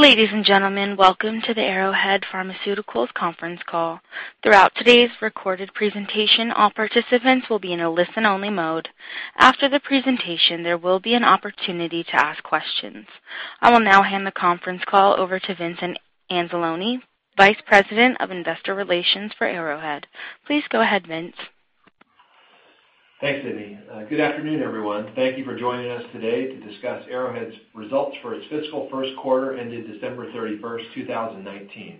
Ladies and gentlemen, welcome to the Arrowhead Pharmaceuticals conference call. Throughout today's recorded presentation, all participants will be in a listen-only mode. After the presentation, there will be an opportunity to ask questions. I will now hand the conference call over to Vincent Anzalone, Vice President of Investor Relations for Arrowhead. Please go ahead, Vince. Thanks, Sydney. Good afternoon, everyone. Thank you for joining us today to discuss Arrowhead's results for its fiscal first quarter ended December 31st, 2019.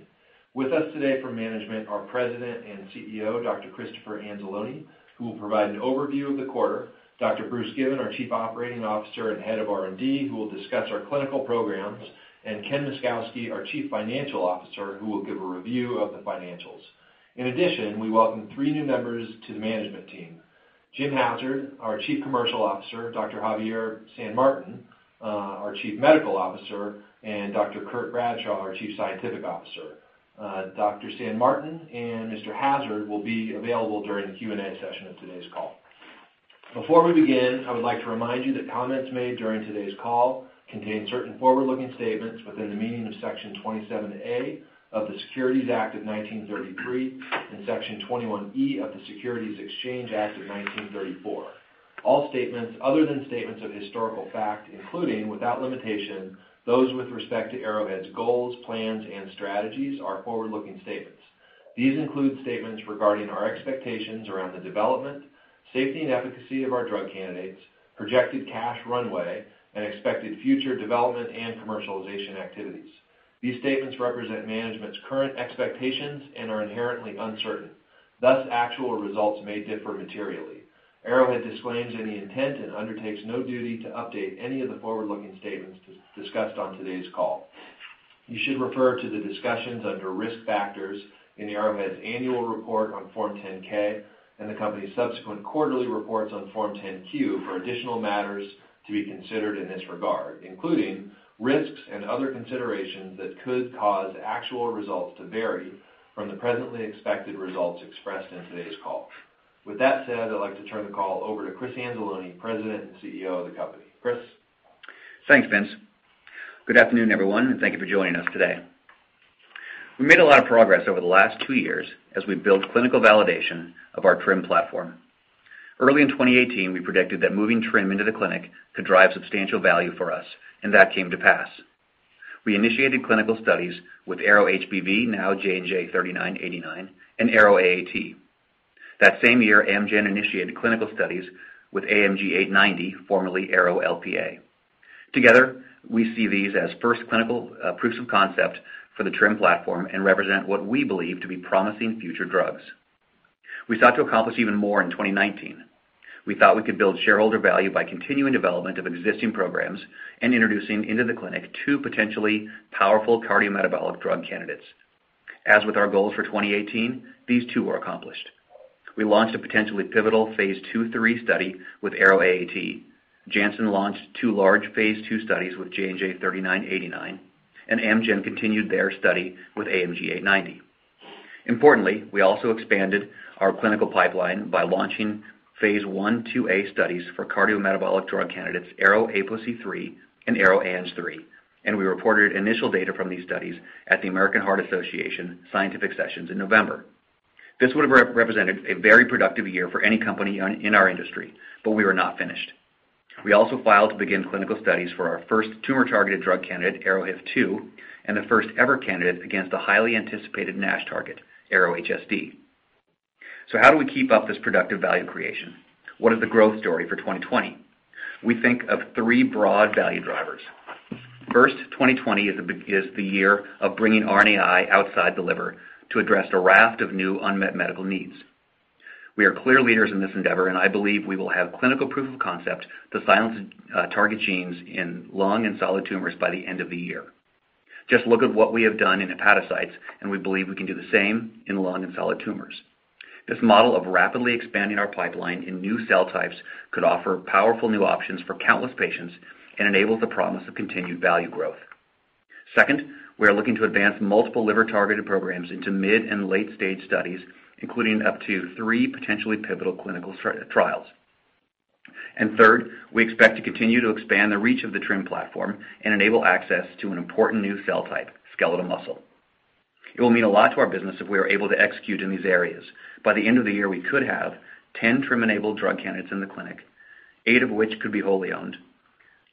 With us today for management, our President and CEO, Dr. Christopher Anzalone, who will provide an overview of the quarter, Dr. Bruce Given, our Chief Operating Officer and Head of R&D, who will discuss our clinical programs, and Ken Myszkowski, our Chief Financial Officer, who will give a review of the financials. We welcome three new members to the management team. Jim Hassard, our Chief Commercial Officer, Dr. Javier San Martin, our Chief Medical Officer, and Dr. Curt Bradshaw, our Chief Scientific Officer. Dr. San Martin and Mr. Hassard will be available during the Q&A session of today's call. Before we begin, I would like to remind you that comments made during today's call contain certain forward-looking statements within the meaning of Section 27A of the Securities Act of 1933 and Section 21E of the Securities Exchange Act of 1934. All statements other than statements of historical fact, including, without limitation, those with respect to Arrowhead's goals, plans, and strategies, are forward-looking statements. These include statements regarding our expectations around the development, safety, and efficacy of our drug candidates, projected cash runway, and expected future development and commercialization activities. These statements represent management's current expectations and are inherently uncertain. Thus, actual results may differ materially. Arrowhead disclaims any intent and undertakes no duty to update any of the forward-looking statements discussed on today's call. You should refer to the discussions under Risk Factors in Arrowhead's annual report on Form 10-K and the company's subsequent quarterly reports on Form 10-Q for additional matters to be considered in this regard, including risks and other considerations that could cause actual results to vary from the presently expected results expressed in today's call. With that said, I'd like to turn the call over to Chris Anzalone, President and CEO of the company. Chris? Thanks, Vince. Good afternoon, everyone, and thank you for joining us today. We made a lot of progress over the last two years as we built clinical validation of our TRiM platform. Early in 2018, we predicted that moving TRiM into the clinic could drive substantial value for us, and that came to pass. We initiated clinical studies with ARO-HBV, now JNJ-3989, and ARO-AAT. That same year, Amgen initiated clinical studies with AMG-890, formerly ARO-LPA. Together, we see these as first clinical proofs of concept for the TRiM platform and represent what we believe to be promising future drugs. We sought to accomplish even more in 2019. We thought we could build shareholder value by continuing development of existing programs and introducing into the clinic two potentially powerful cardiometabolic drug candidates. As with our goals for 2018, these too were accomplished. We launched a potentially pivotal phase II/III study with ARO-AAT. Janssen launched two large phase II studies with JNJ-3989. Amgen continued their study with AMG-890. Importantly, we also expanded our clinical pipeline by launching phase I/II-A studies for cardiometabolic drug candidates ARO-APOC3 and ARO-ANG3. We reported initial data from these studies at the American Heart Association scientific sessions in November. This would have represented a very productive year for any company in our industry. We were not finished. We also filed to begin clinical studies for our first tumor-targeted drug candidate, ARO-HIF2. The first ever candidate against a highly anticipated NASH target, ARO-HSD. How do we keep up this productive value creation? What is the growth story for 2020? We think of three broad value drivers. First, 2020 is the year of bringing RNAi outside the liver to address a raft of new unmet medical needs. We are clear leaders in this endeavor, and I believe we will have clinical proof of concept to silence target genes in lung and solid tumors by the end of the year. Just look at what we have done in hepatocytes, and we believe we can do the same in lung and solid tumors. This model of rapidly expanding our pipeline in new cell types could offer powerful new options for countless patients and enables the promise of continued value growth. Second, we are looking to advance multiple liver-targeted programs into mid and late-stage studies, including up to three potentially pivotal clinical trials. Third, we expect to continue to expand the reach of the TRiM platform and enable access to an important new cell type, skeletal muscle. It will mean a lot to our business if we are able to execute in these areas. By the end of the year, we could have 10 TRiM-enabled drug candidates in the clinic, eight of which could be wholly owned,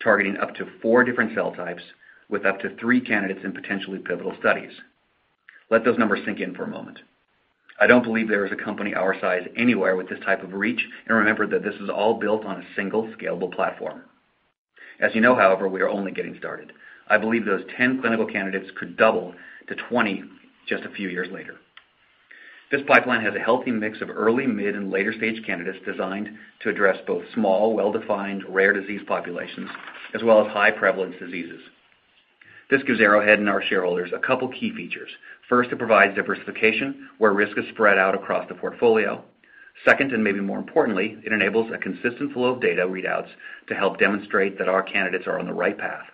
targeting up to four different cell types with up to three candidates in potentially pivotal studies. Let those numbers sink in for a moment. I don't believe there is a company our size anywhere with this type of reach. Remember that this is all built on a single scalable platform. As you know, however, we are only getting started. I believe those 10 clinical candidates could double to 20 just a few years later. This pipeline has a healthy mix of early, mid, and later-stage candidates designed to address both small, well-defined rare disease populations, as well as high-prevalence diseases. This gives Arrowhead and our shareholders a couple of key features. First, it provides diversification, where risk is spread out across the portfolio. Second, maybe more importantly, it enables a consistent flow of data readouts to help demonstrate that our candidates are on the right path.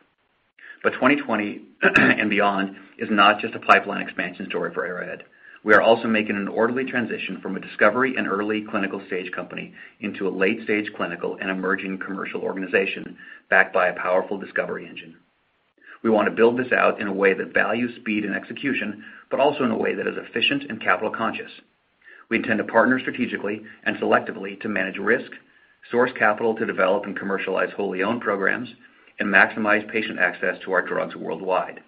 2020 and beyond is not just a pipeline expansion story for Arrowhead. We are also making an orderly transition from a discovery and early clinical stage company into a late-stage clinical and emerging commercial organization backed by a powerful discovery engine. We want to build this out in a way that values speed and execution, but also in a way that is efficient and capital conscious. We intend to partner strategically and selectively to manage risk, source capital to develop and commercialize wholly owned programs, and maximize patient access to our drugs worldwide.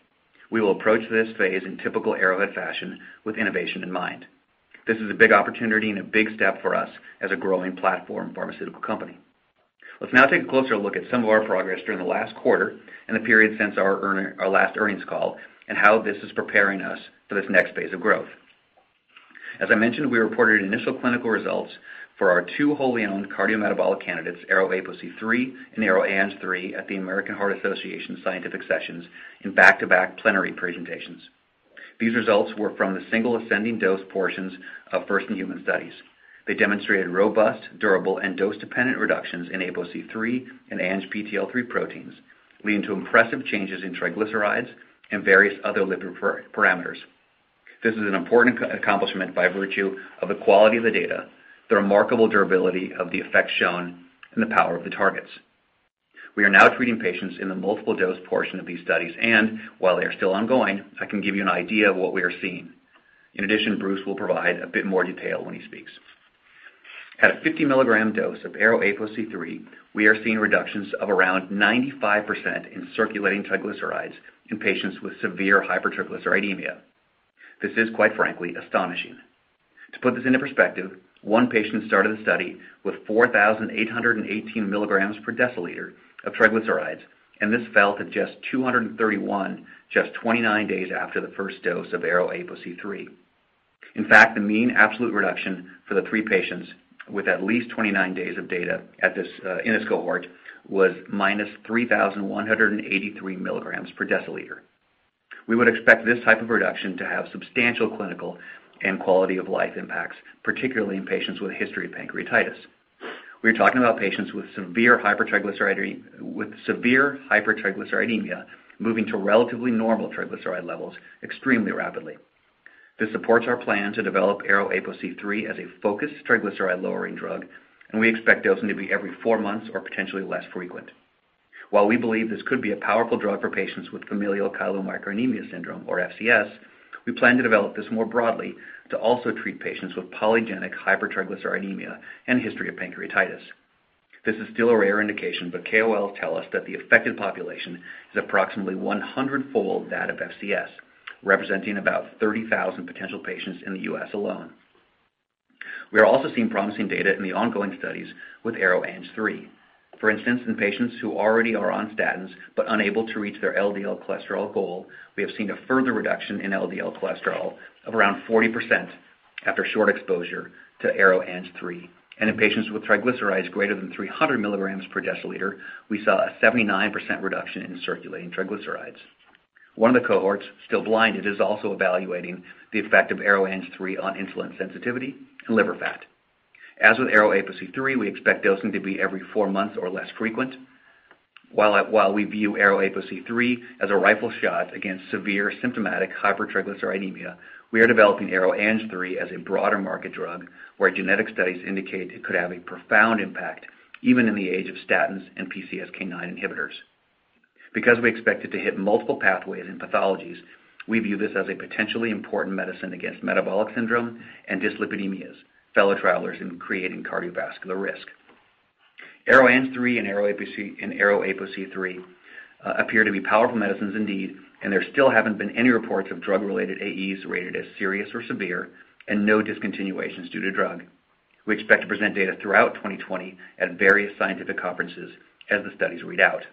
We will approach this phase in typical Arrowhead fashion with innovation in mind. This is a big opportunity and a big step for us as a growing platform pharmaceutical company. Let's now take a closer look at some of our progress during the last quarter and the period since our last earnings call, and how this is preparing us for this next phase of growth. As I mentioned, we reported initial clinical results for our two wholly owned cardiometabolic candidates, ARO-APOC3 and ARO-ANG3 at the American Heart Association Scientific Sessions in back-to-back plenary presentations. These results were from the single ascending-dose portions of first-in-human studies. They demonstrated robust, durable, and dose-dependent reductions in APOC3 and ANGPTL3 proteins, leading to impressive changes in triglycerides and various other lipid parameters. This is an important accomplishment by virtue of the quality of the data, the remarkable durability of the effects shown, and the power of the targets. We are now treating patients in the multiple-dose portion of these studies, and while they are still ongoing, I can give you an idea of what we are seeing. In addition, Bruce will provide a bit more detail when he speaks. At a 50 mg dose of ARO-APOC3, we are seeing reductions of around 95% in circulating triglycerides in patients with severe hypertriglyceridemia. This is, quite frankly, astonishing. To put this into perspective, one patient started the study with 4,818 mg/dL of triglycerides, and this fell to just 231 just 29 days after the first dose of ARO-APOC3. In fact, the mean absolute reduction for the three patients with at least 29 days of data in this cohort was minus 3,183 mg/dL. We would expect this type of reduction to have substantial clinical and quality of life impacts, particularly in patients with a history of pancreatitis. We are talking about patients with severe hypertriglyceridemia moving to relatively normal triglyceride levels extremely rapidly. This supports our plan to develop ARO-APOC3 as a focused triglyceride-lowering drug. We expect dosing to be every four months or potentially less frequent. While we believe this could be a powerful drug for patients with familial chylomicronemia syndrome, or FCS, we plan to develop this more broadly to also treat patients with polygenic hypertriglyceridemia and a history of pancreatitis. This is still a rare indication, but KOL tell us that the affected population is approximately 100-fold that of FCS, representing about 30,000 potential patients in the U.S. alone. We are also seeing promising data in the ongoing studies with ARO-ANG3. For instance, in patients who already are on statins but unable to reach their LDL cholesterol goal, we have seen a further reduction in LDL cholesterol of around 40% after short exposure to ARO-ANG3. In patients with triglycerides greater than 300 mg/dL, we saw a 79% reduction in circulating triglycerides. One of the cohorts, still blinded, is also evaluating the effect of ARO-ANG3 on insulin sensitivity and liver fat. As with ARO-APOC3, we expect dosing to be every four months or less frequent. While we view ARO-APOC3 as a rifle shot against severe symptomatic hypertriglyceridemia, we are developing ARO-ANG3 as a broader market drug, where genetic studies indicate it could have a profound impact even in the age of statins and PCSK9 inhibitors. Because we expect it to hit multiple pathways and pathologies, we view this as a potentially important medicine against metabolic syndrome and dyslipidemias, fellow travelers in creating cardiovascular risk. ARO-ANG3 and ARO-APOC3 appear to be powerful medicines indeed, and there still haven't been any reports of drug-related AEs rated as serious or severe, and no discontinuations due to drug. We expect to present data throughout 2020 at various scientific conferences as the studies read out.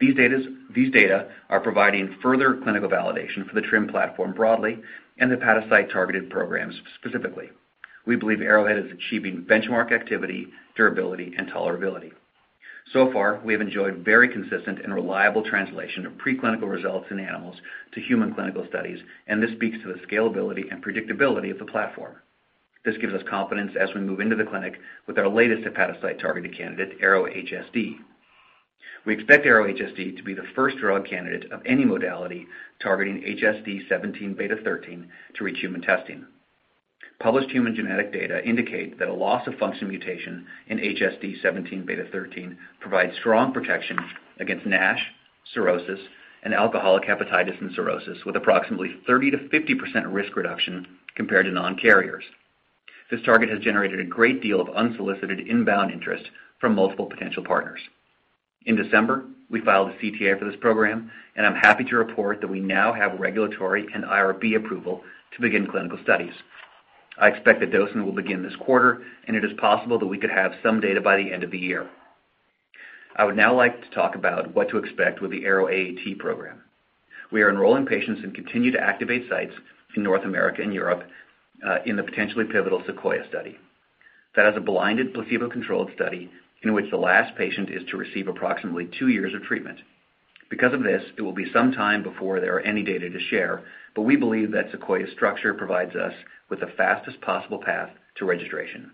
These data are providing further clinical validation for the TRiM platform broadly and the hepatocyte-targeted programs specifically. We believe Arrowhead is achieving benchmark activity, durability, and tolerability. So far, we have enjoyed very consistent and reliable translation of preclinical results in animals to human clinical studies. This speaks to the scalability and predictability of the platform. This gives us confidence as we move into the clinic with our latest hepatocyte-targeted candidate, ARO-HSD. We expect ARO-HSD to be the first drug candidate of any modality targeting HSD17B13 to reach human testing. Published human genetic data indicate that a loss-of-function mutation in HSD17B13 provides strong protection against NASH, cirrhosis, and alcoholic hepatitis and cirrhosis with approximately 30%-50% risk reduction compared to non-carriers. This target has generated a great deal of unsolicited inbound interest from multiple potential partners. In December, we filed a CTA for this program. I'm happy to report that we now have regulatory and IRB approval to begin clinical studies. I expect that dosing will begin this quarter, and it is possible that we could have some data by the end of the year. I would now like to talk about what to expect with the ARO-AAT program. We are enrolling patients and continue to activate sites in North America and Europe in the potentially pivotal SEQUOIA study. That is a blinded, placebo-controlled study in which the last patient is to receive approximately two years of treatment. Because of this, it will be some time before there are any data to share, but we believe that SEQUOIA's structure provides us with the fastest possible path to registration.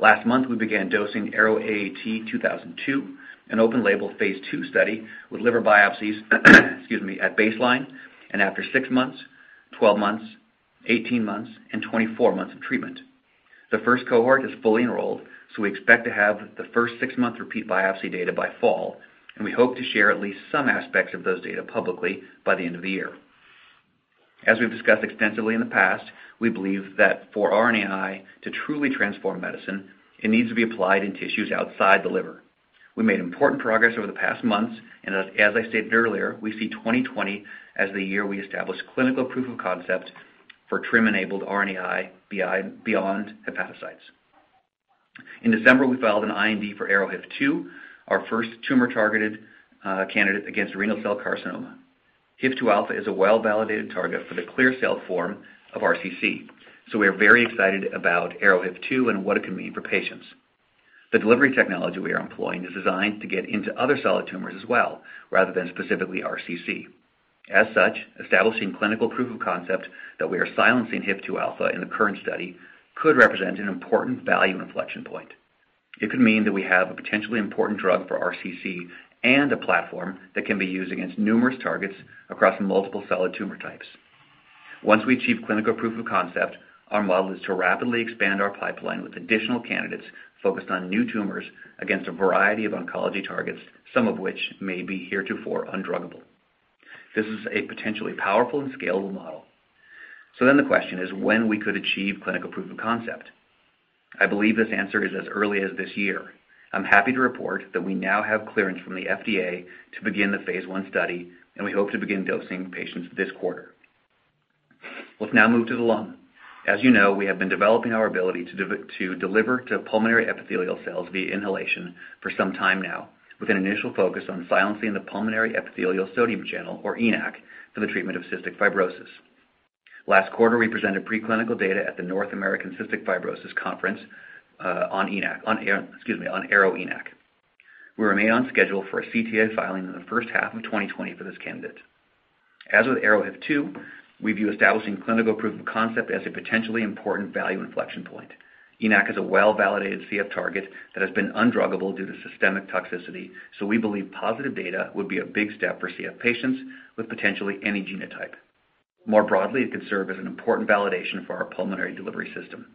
Last month, we began dosing ARO-AAT2002, an open-label phase II study with liver biopsies, excuse me, at baseline and after six months, 12 months, 18 months, and 24 months of treatment. The first cohort is fully enrolled, so we expect to have the first six-month repeat biopsy data by fall, and we hope to share at least some aspects of those data publicly by the end of the year. As we've discussed extensively in the past, we believe that for RNAi to truly transform medicine, it needs to be applied in tissues outside the liver. We made important progress over the past months. As I stated earlier, we see 2020 as the year we establish clinical proof of concept for TRiM-enabled RNAi beyond hepatocytes. In December, we filed an IND for ARO-HIF2, our first tumor-targeted candidate against renal cell carcinoma. HIF-2 alpha is a well-validated target for the clear cell form of RCC, so we are very excited about ARO-HIF2 and what it can mean for patients. The delivery technology we are employing is designed to get into other solid tumors as well, rather than specifically RCC. As such, establishing clinical proof of concept that we are silencing HIF-2 alpha in the current study could represent an important value inflection point. It could mean that we have a potentially important drug for RCC and a platform that can be used against numerous targets across multiple solid tumor types. Once we achieve clinical proof of concept, our model is to rapidly expand our pipeline with additional candidates focused on new tumors against a variety of oncology targets, some of which may be heretofore undruggable. This is a potentially powerful and scalable model. The question is when we could achieve clinical proof of concept. I believe this answer is as early as this year. I'm happy to report that we now have clearance from the FDA to begin the phase I study, and we hope to begin dosing patients this quarter. Let's now move to the lung. As you know, we have been developing our ability to deliver to pulmonary epithelial cells via inhalation for some time now, with an initial focus on silencing the pulmonary epithelial sodium channel, or ENaC, for the treatment of cystic fibrosis. Last quarter, we presented preclinical data at the North American Cystic Fibrosis Conference on ARO-ENaC. We remain on schedule for a CTA filing in the first half of 2020 for this candidate. As with ARO-HIF2, we view establishing clinical proof of concept as a potentially important value inflection point. ENaC is a well-validated CF target that has been undruggable due to systemic toxicity, so we believe positive data would be a big step for CF patients with potentially any genotype. More broadly, it could serve as an important validation for our pulmonary delivery system.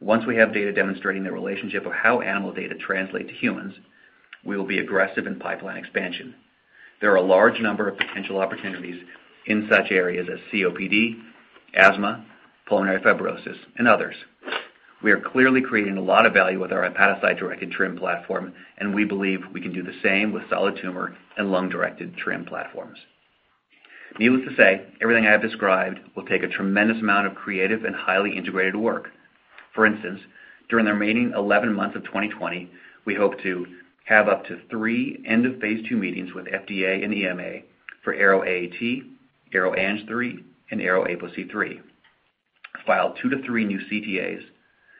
Once we have data demonstrating the relationship of how animal data translate to humans, we will be aggressive in pipeline expansion. There are a large number of potential opportunities in such areas as COPD, asthma, pulmonary fibrosis, and others. We are clearly creating a lot of value with our hepatocyte-directed TRiM platform, and we believe we can do the same with solid tumor and lung-directed TRiM platforms. Needless to say, everything I have described will take a tremendous amount of creative and highly integrated work. For instance, during the remaining 11 months of 2020, we hope to have up to three end of phase II meetings with FDA and EMA for ARO-AAT, ARO-ANG3, and ARO-APOC3, file two to three new CTAs,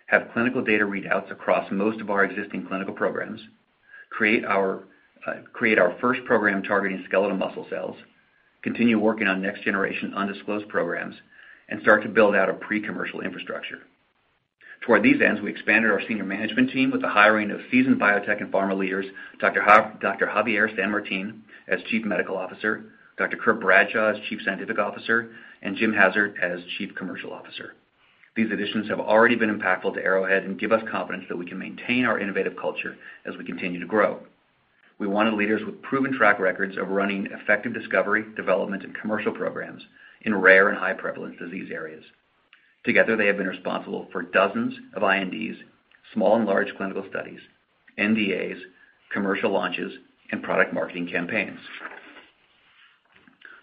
have clinical data readouts across most of our existing clinical programs, create our first program targeting skeletal muscle cells, continue working on next-generation undisclosed programs, and start to build out a pre-commercial infrastructure. Toward these ends, we expanded our senior management team with the hiring of seasoned biotech and pharma leaders, Dr. Javier San Martin as Chief Medical Officer, Dr. Curt Bradshaw as Chief Scientific Officer, and Jim Hassard as Chief Commercial Officer. These additions have already been impactful to Arrowhead and give us confidence that we can maintain our innovative culture as we continue to grow. We wanted leaders with proven track records of running effective discovery, development, and commercial programs in rare and high-prevalence disease areas. Together, they have been responsible for dozens of INDs, small and large clinical studies, NDAs, commercial launches, and product marketing campaigns.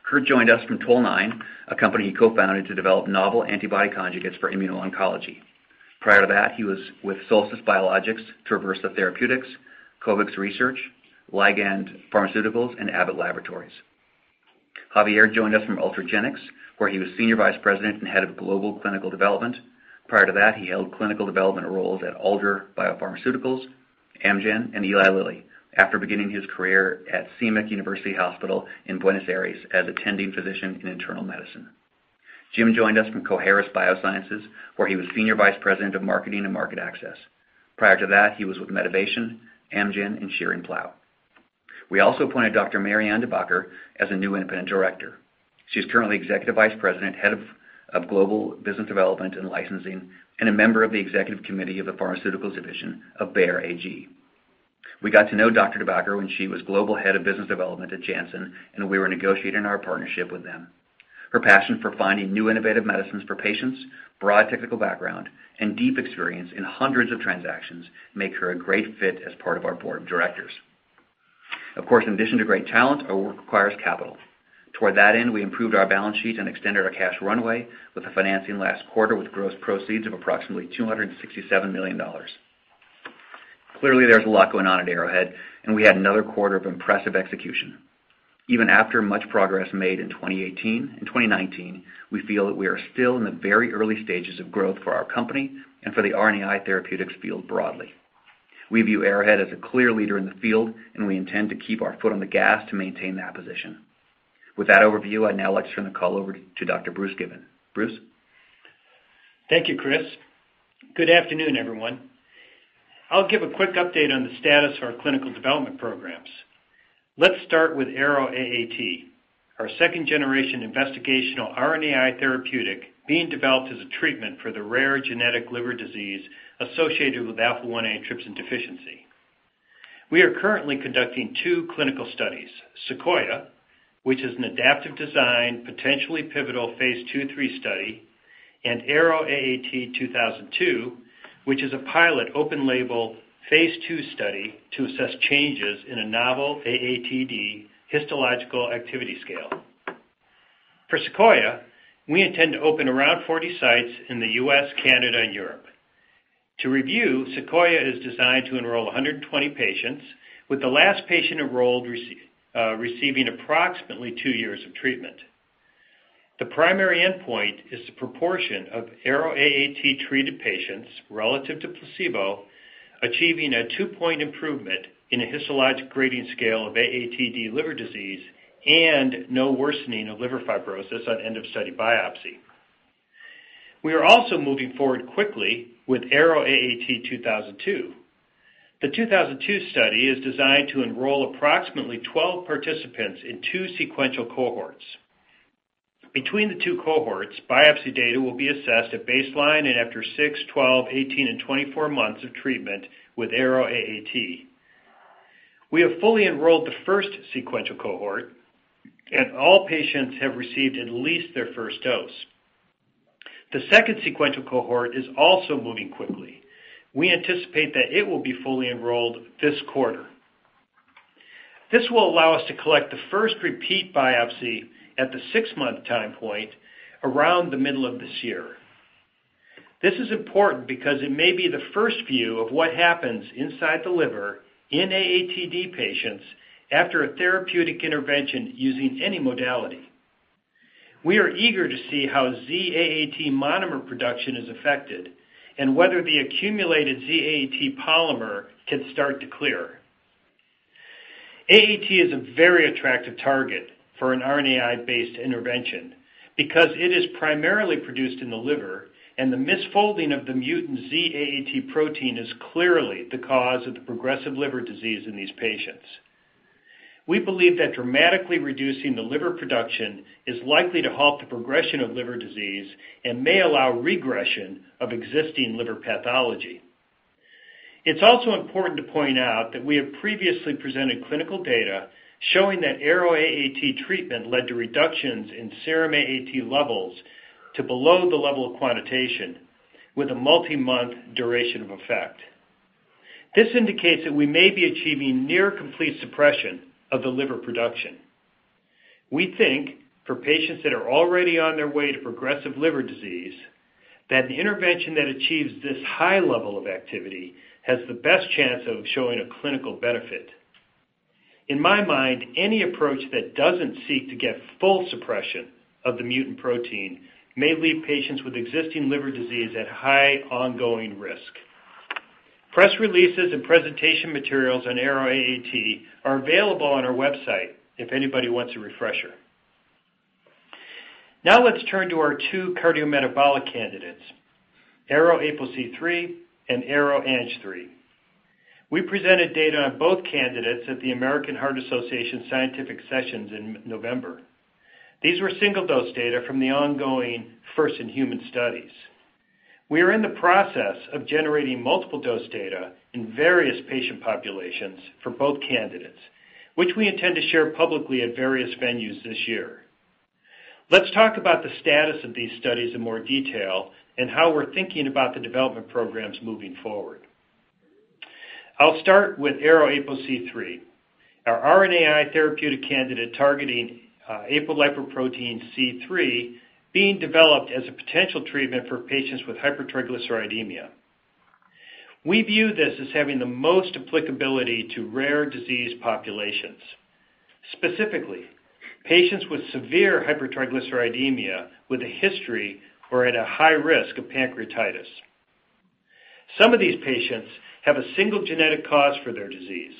Curt joined us from Tallac Therapeutics, a company he co-founded to develop novel antibody conjugates for immuno-oncology. Prior to that, he was with Solstice Biologics, Traversa Therapeutics, CovX Research, Ligand Pharmaceuticals, and Abbott Laboratories. Javier joined us from Ultragenyx, where he was Senior Vice President and Head of Global Clinical Development. Prior to that, he held clinical development roles at Alder BioPharmaceuticals, Amgen, and Eli Lilly, after beginning his career at CEMIC University Hospital in Buenos Aires as Attending Physician in Internal Medicine. Jim joined us from Coherus BioSciences, where he was Senior Vice President of Marketing and Market Access. Prior to that, he was with Medivation, Amgen, and Schering-Plough. We also appointed Dr. Marianne De Backer as a new independent director. She's currently Executive Vice President, Head of Global Business Development and Licensing, and a member of the Executive Committee of the Pharmaceuticals Division of Bayer AG. We got to know Dr. De Backer when she was Global Head of Business Development at Janssen, and we were negotiating our partnership with them. Her passion for finding new innovative medicines for patients, broad technical background, and deep experience in hundreds of transactions make her a great fit as part of our board of directors. Of course, in addition to great talent, our work requires capital. Toward that end, we improved our balance sheet and extended our cash runway with the financing last quarter with gross proceeds of approximately $267 million. Clearly, there's a lot going on at Arrowhead, and we had another quarter of impressive execution. Even after much progress made in 2018 and 2019, we feel that we are still in the very early stages of growth for our company and for the RNAi therapeutics field broadly. We view Arrowhead as a clear leader in the field, and we intend to keep our foot on the gas to maintain that position. With that overview, I'd now like to turn the call over to Dr. Bruce Given. Bruce? Thank you, Chris. Good afternoon, everyone. I'll give a quick update on the status of our clinical development programs. Let's start with ARO-AAT, our second-generation investigational RNAi therapeutic being developed as a treatment for the rare genetic liver disease associated with alpha-1 antitrypsin deficiency. We are currently conducting two clinical studies, SEQUOIA, which is an adaptive design, potentially pivotal phase II/III study, and AROAAT2002, which is a pilot open label phase II study to assess changes in a novel AATD histological activity scale. For SEQUOIA, we intend to open around 40 sites in the U.S., Canada and Europe. To review, SEQUOIA is designed to enroll 120 patients, with the last patient enrolled receiving approximately two years of treatment. The primary endpoint is the proportion of ARO-AAT-treated patients relative to placebo, achieving a two-point improvement in a histologic grading scale of AATD liver disease and no worsening of liver fibrosis on end-of-study biopsy. We are also moving forward quickly with AROAAT2002. The 2002 study is designed to enroll approximately 12 participants in two sequential cohorts. Between the two cohorts, biopsy data will be assessed at baseline and after six, 12, 18, and 24 months of treatment with ARO-AAT. We have fully enrolled the first sequential cohort, and all patients have received at least their first dose. The second sequential cohort is also moving quickly. We anticipate that it will be fully enrolled this quarter. This will allow us to collect the first repeat biopsy at the six-month time point around the middle of this year. This is important because it may be the first view of what happens inside the liver in AATD patients after a therapeutic intervention using any modality. We are eager to see how Z-AAT monomer production is affected and whether the accumulated Z-AAT polymer can start to clear. AAT is a very attractive target for an RNAi-based intervention because it is primarily produced in the liver, and the misfolding of the mutant Z-AAT protein is clearly the cause of the progressive liver disease in these patients. We believe that dramatically reducing the liver production is likely to halt the progression of liver disease and may allow regression of existing liver pathology. It's also important to point out that we have previously presented clinical data showing that ARO-AAT treatment led to reductions in serum AAT levels to below the level of quantitation with a multi-month duration of effect. This indicates that we may be achieving near complete suppression of the liver production. We think for patients that are already on their way to progressive liver disease, that the intervention that achieves this high level of activity has the best chance of showing a clinical benefit. In my mind, any approach that doesn't seek to get full suppression of the mutant protein may leave patients with existing liver disease at high ongoing risk. Press releases and presentation materials on ARO-AAT are available on our website if anybody wants a refresher. Now let's turn to our two cardiometabolic candidates, ARO-APOC3 and ARO-ANG3. We presented data on both candidates at the American Heart Association Scientific Sessions in November. These were single-dose data from the ongoing first-in-human studies. We are in the process of generating multiple dose data in various patient populations for both candidates, which we intend to share publicly at various venues this year. Let's talk about the status of these studies in more detail and how we're thinking about the development programs moving forward. I'll start with ARO-APOC3, our RNAi therapeutic candidate targeting apolipoprotein C3 being developed as a potential treatment for patients with hypertriglyceridemia. We view this as having the most applicability to rare disease populations, specifically patients with severe hypertriglyceridemia with a history or at a high risk of pancreatitis. Some of these patients have a single genetic cause for their disease,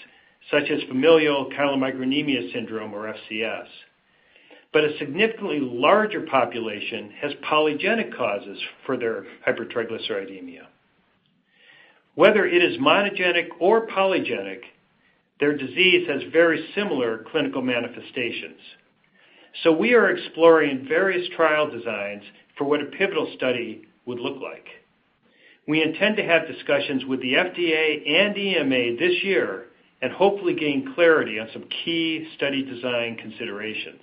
such as familial chylomicronemia syndrome, or FCS. A significantly larger population has polygenic causes for their hypertriglyceridemia. Whether it is monogenic or polygenic, their disease has very similar clinical manifestations. We are exploring various trial designs for what a pivotal study would look like. We intend to have discussions with the FDA and EMA this year and hopefully gain clarity on some key study design considerations.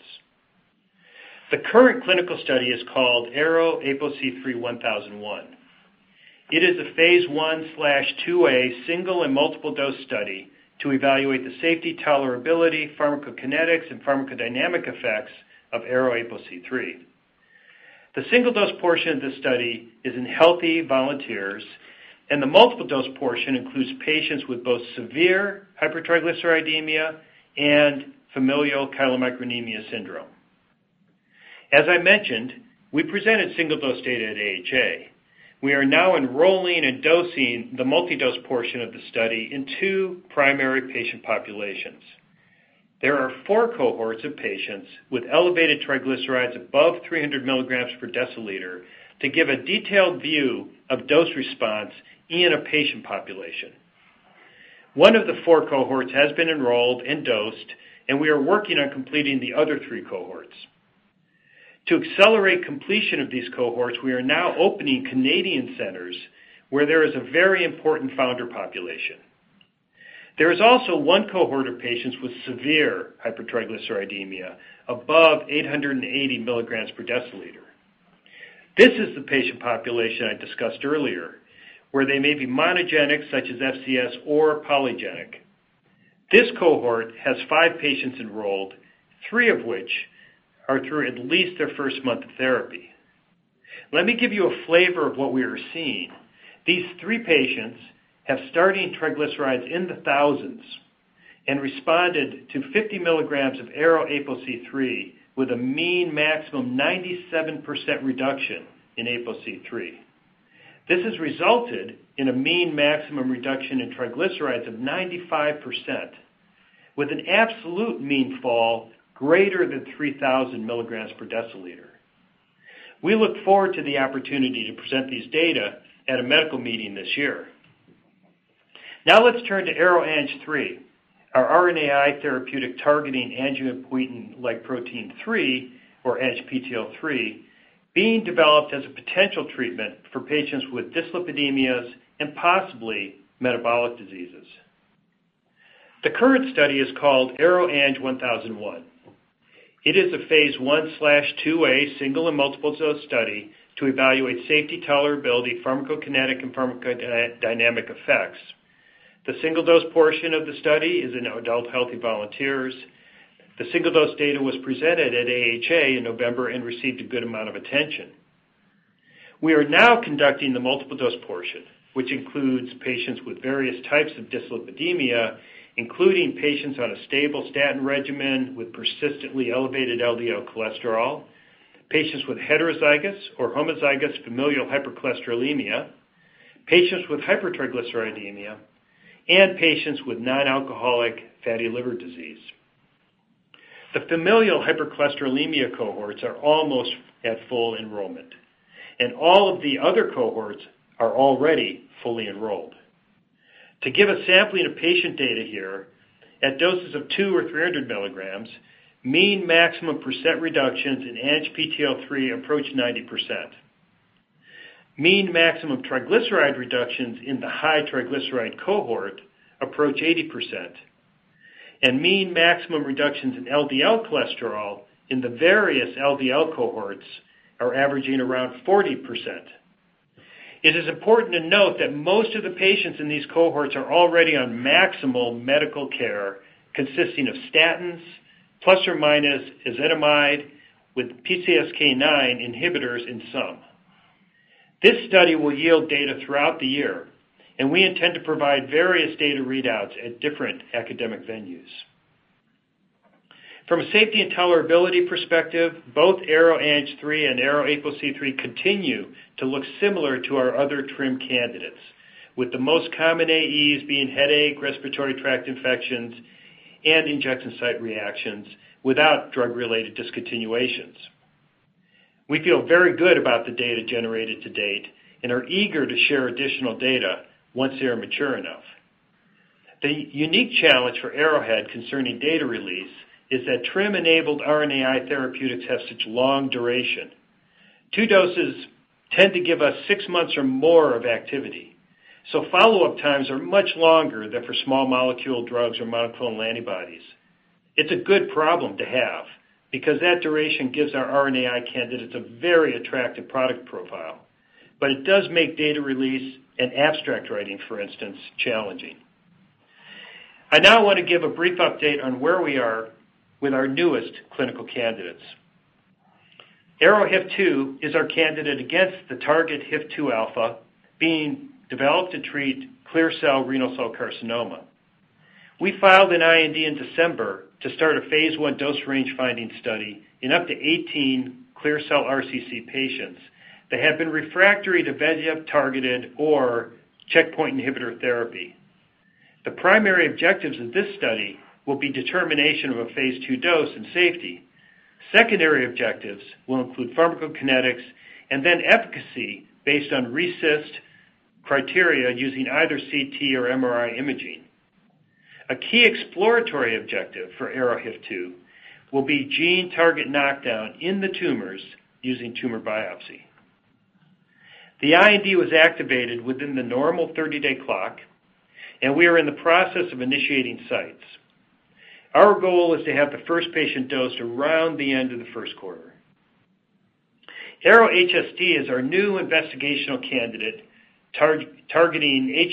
The current clinical study is called ARO-APOC31001. It is a phase I/II-A single and multiple dose study to evaluate the safety, tolerability, pharmacokinetics, and pharmacodynamic effects of ARO-APOC3. The single-dose portion of this study is in healthy volunteers, and the multiple-dose portion includes patients with both severe hypertriglyceridemia and familial chylomicronemia syndrome. As I mentioned, we presented single-dose data at AHA. We are now enrolling and dosing the multi-dose portion of the study in two primary patient populations. There are four cohorts of patients with elevated triglycerides above 300 mg/dL to give a detailed view of dose response in a patient population. One of the four cohorts has been enrolled and dosed. We are working on completing the other three cohorts. To accelerate completion of these cohorts, we are now opening Canadian centers where there is a very important founder population. There is also one cohort of patients with severe hypertriglyceridemia above 880 mg/dL. This is the patient population I discussed earlier, where they may be monogenic, such as FCS or polygenic. This cohort has five patients enrolled, three of which are through at least their first month of therapy. Let me give you a flavor of what we are seeing. These three patients have starting triglycerides in the thousands and responded to 50 mg of ARO-APOC3 with a mean maximum 97% reduction in APOC3. This has resulted in a mean maximum reduction in triglycerides of 95%, with an absolute mean fall greater than 3,000 mg/dL. We look forward to the opportunity to present these data at a medical meeting this year. Let's turn to ARO-ANG3, our RNAi therapeutic targeting angiopoietin-like protein 3, or ANGPTL3, being developed as a potential treatment for patients with dyslipidemias and possibly metabolic diseases. The current study is called AROANG1001. It is a phase I/II-A single and multiple dose study to evaluate safety tolerability pharmacokinetic and pharmacodynamic effects. The single-dose portion of the study is in adult healthy volunteers. The single-dose data was presented at AHA in November and received a good amount of attention. We are now conducting the multiple-dose portion, which includes patients with various types of dyslipidemia, including patients on a stable statin regimen with persistently elevated LDL cholesterol, patients with heterozygous or homozygous familial hypercholesterolemia, patients with hypertriglyceridemia, and patients with non-alcoholic fatty liver disease. The familial hypercholesterolemia cohorts are almost at full enrollment, and all of the other cohorts are already fully enrolled. To give a sampling of patient data here, at doses of two or 300 mg, mean maximum percent reductions in ANGPTL3 approach 90%. Mean maximum triglyceride reductions in the high triglyceride cohort approach 80%, and mean maximum reductions in LDL cholesterol in the various LDL cohorts are averaging around 40%. It is important to note that most of the patients in these cohorts are already on maximal medical care consisting of statins, plus or minus ezetimibe, with PCSK9 inhibitors in some. This study will yield data throughout the year, and we intend to provide various data readouts at different academic venues. From a safety and tolerability perspective, both ARO-ANG3 and ARO-APOC3 continue to look similar to our other TRiM candidates, with the most common AEs being headache, respiratory tract infections, and injection site reactions without drug-related discontinuations. We feel very good about the data generated to date and are eager to share additional data once they are mature enough. The unique challenge for Arrowhead concerning data release is that TRiM-enabled RNAi therapeutics have such long duration. Two doses tend to give us six months or more of activity, so follow-up times are much longer than for small molecule drugs or monoclonal antibodies. It's a good problem to have because that duration gives our RNAi candidates a very attractive product profile, but it does make data release and abstract writing, for instance, challenging. I now want to give a brief update on where we are with our newest clinical candidates. ARO-HIF2 is our candidate against the target HIF-2alpha being developed to treat clear cell renal cell carcinoma. We filed an IND in December to start a phase I dose range-finding study in up to 18 clear cell RCC patients that have been refractory to VEGF-targeted or checkpoint inhibitor therapy. The primary objectives of this study will be determination of a phase II dose and safety. Secondary objectives will include pharmacokinetics and then efficacy based on RECIST criteria using either CT or MRI imaging. A key exploratory objective for ARO-HIF2 will be gene target knockdown in the tumors using tumor biopsy. The IND was activated within the normal 30-day clock, and we are in the process of initiating sites. Our goal is to have the first patient dosed around the end of the first quarter. ARO-HSD is our new investigational candidate targeting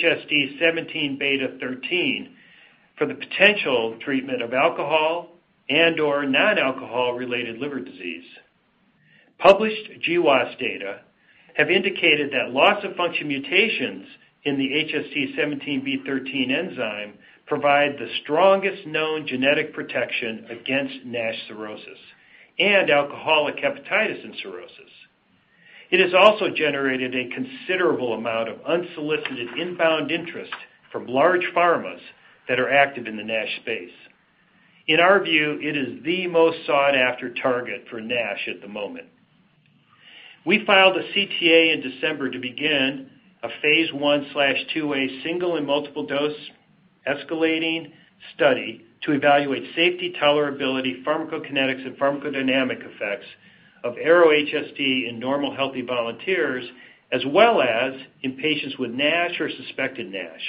HSD17B13 for the potential treatment of alcohol and/or non-alcohol related liver disease. Published GWAS data have indicated that loss-of-function mutations in the HSD17B13 enzyme provide the strongest known genetic protection against NASH cirrhosis and alcoholic hepatitis and cirrhosis. It has also generated a considerable amount of unsolicited inbound interest from large pharmas that are active in the NASH space. In our view, it is the most sought-after target for NASH at the moment. We filed a CTA in December to begin a phase I/II single and multiple dose escalating study to evaluate safety tolerability, pharmacokinetics, and pharmacodynamic effects of ARO-HSD in normal healthy volunteers, as well as in patients with NASH or suspected NASH.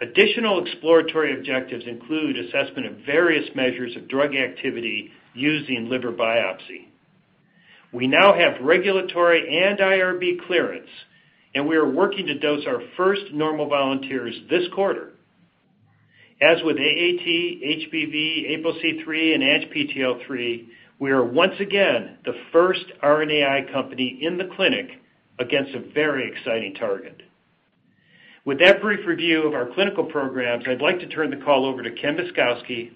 Additional exploratory objectives include assessment of various measures of drug activity using liver biopsy. We now have regulatory and IRB clearance, and we are working to dose our first normal volunteers this quarter. As with AAT, HBV, APOC3, and ANGPTL3, we are once again the first RNAi company in the clinic against a very exciting target. With that brief review of our clinical programs, I'd like to turn the call over to Ken Myszkowski,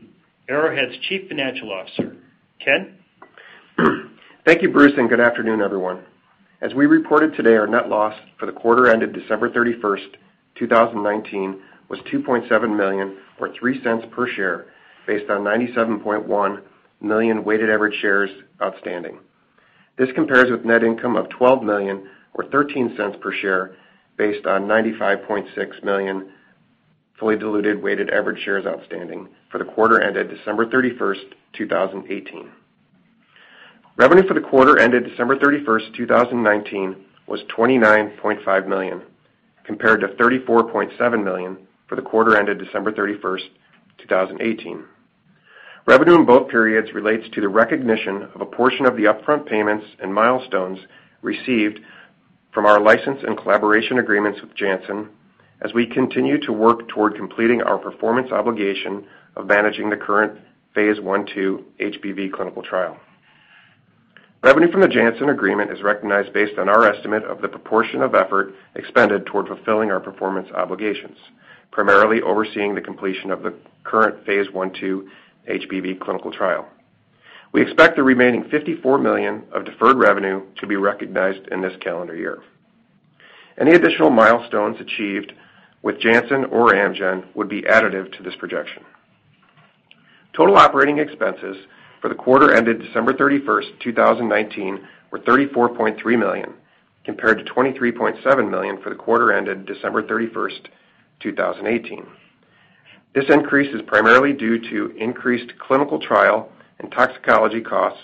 Arrowhead's Chief Financial Officer. Ken? Thank you, Bruce. Good afternoon, everyone. As we reported today, our net loss for the quarter ended December 31st, 2019, was $2.7 million or $0.03 per share based on 97.1 million weighted average shares outstanding. This compares with net income of $12 million or $0.13 per share based on 95.6 million fully diluted weighted average shares outstanding for the quarter ended December 31st, 2018. Revenue for the quarter ended December 31st, 2019, was $29.5 million, compared to $34.7 million for the quarter ended December 31st, 2018. Revenue in both periods relates to the recognition of a portion of the upfront payments and milestones received from our license and collaboration agreements with Janssen, as we continue to work toward completing our performance obligation of managing the current phase I/II HBV clinical trial. Revenue from the Janssen agreement is recognized based on our estimate of the proportion of effort expended toward fulfilling our performance obligations, primarily overseeing the completion of the current phase I/II HBV clinical trial. We expect the remaining $54 million of deferred revenue to be recognized in this calendar year. Any additional milestones achieved with Janssen or Amgen would be additive to this projection. Total operating expenses for the quarter ended December 31st, 2019, were $34.3 million, compared to $23.7 million for the quarter ended December 31st, 2018. This increase is primarily due to increased clinical trial and toxicology costs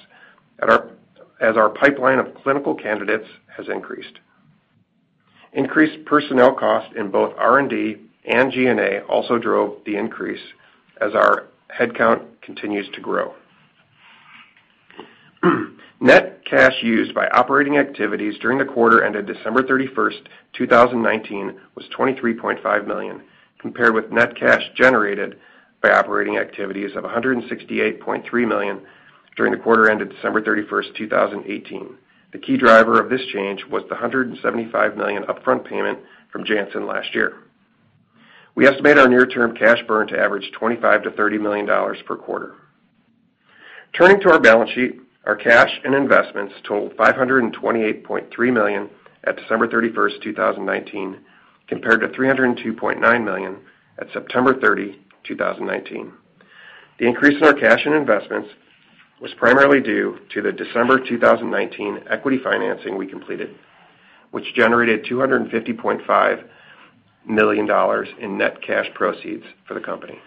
as our pipeline of clinical candidates has increased. Increased personnel costs in both R&D and G&A also drove the increase as our headcount continues to grow. Net cash used by operating activities during the quarter ended December 31, 2019, was $23.5 million, compared with net cash generated by operating activities of $168.3 million during the quarter ended December 31, 2018. The key driver of this change was the $175 million upfront payment from Janssen last year. We estimate our near-term cash burn to average $25 million-$30 million per quarter. Turning to our balance sheet, our cash and investments totaled $528.3 million at December 31, 2019, compared to $302.9 million at September 30, 2019. The increase in our cash and investments was primarily due to the December 2019 equity financing we completed, which generated $250.5 million in net cash proceeds for the company.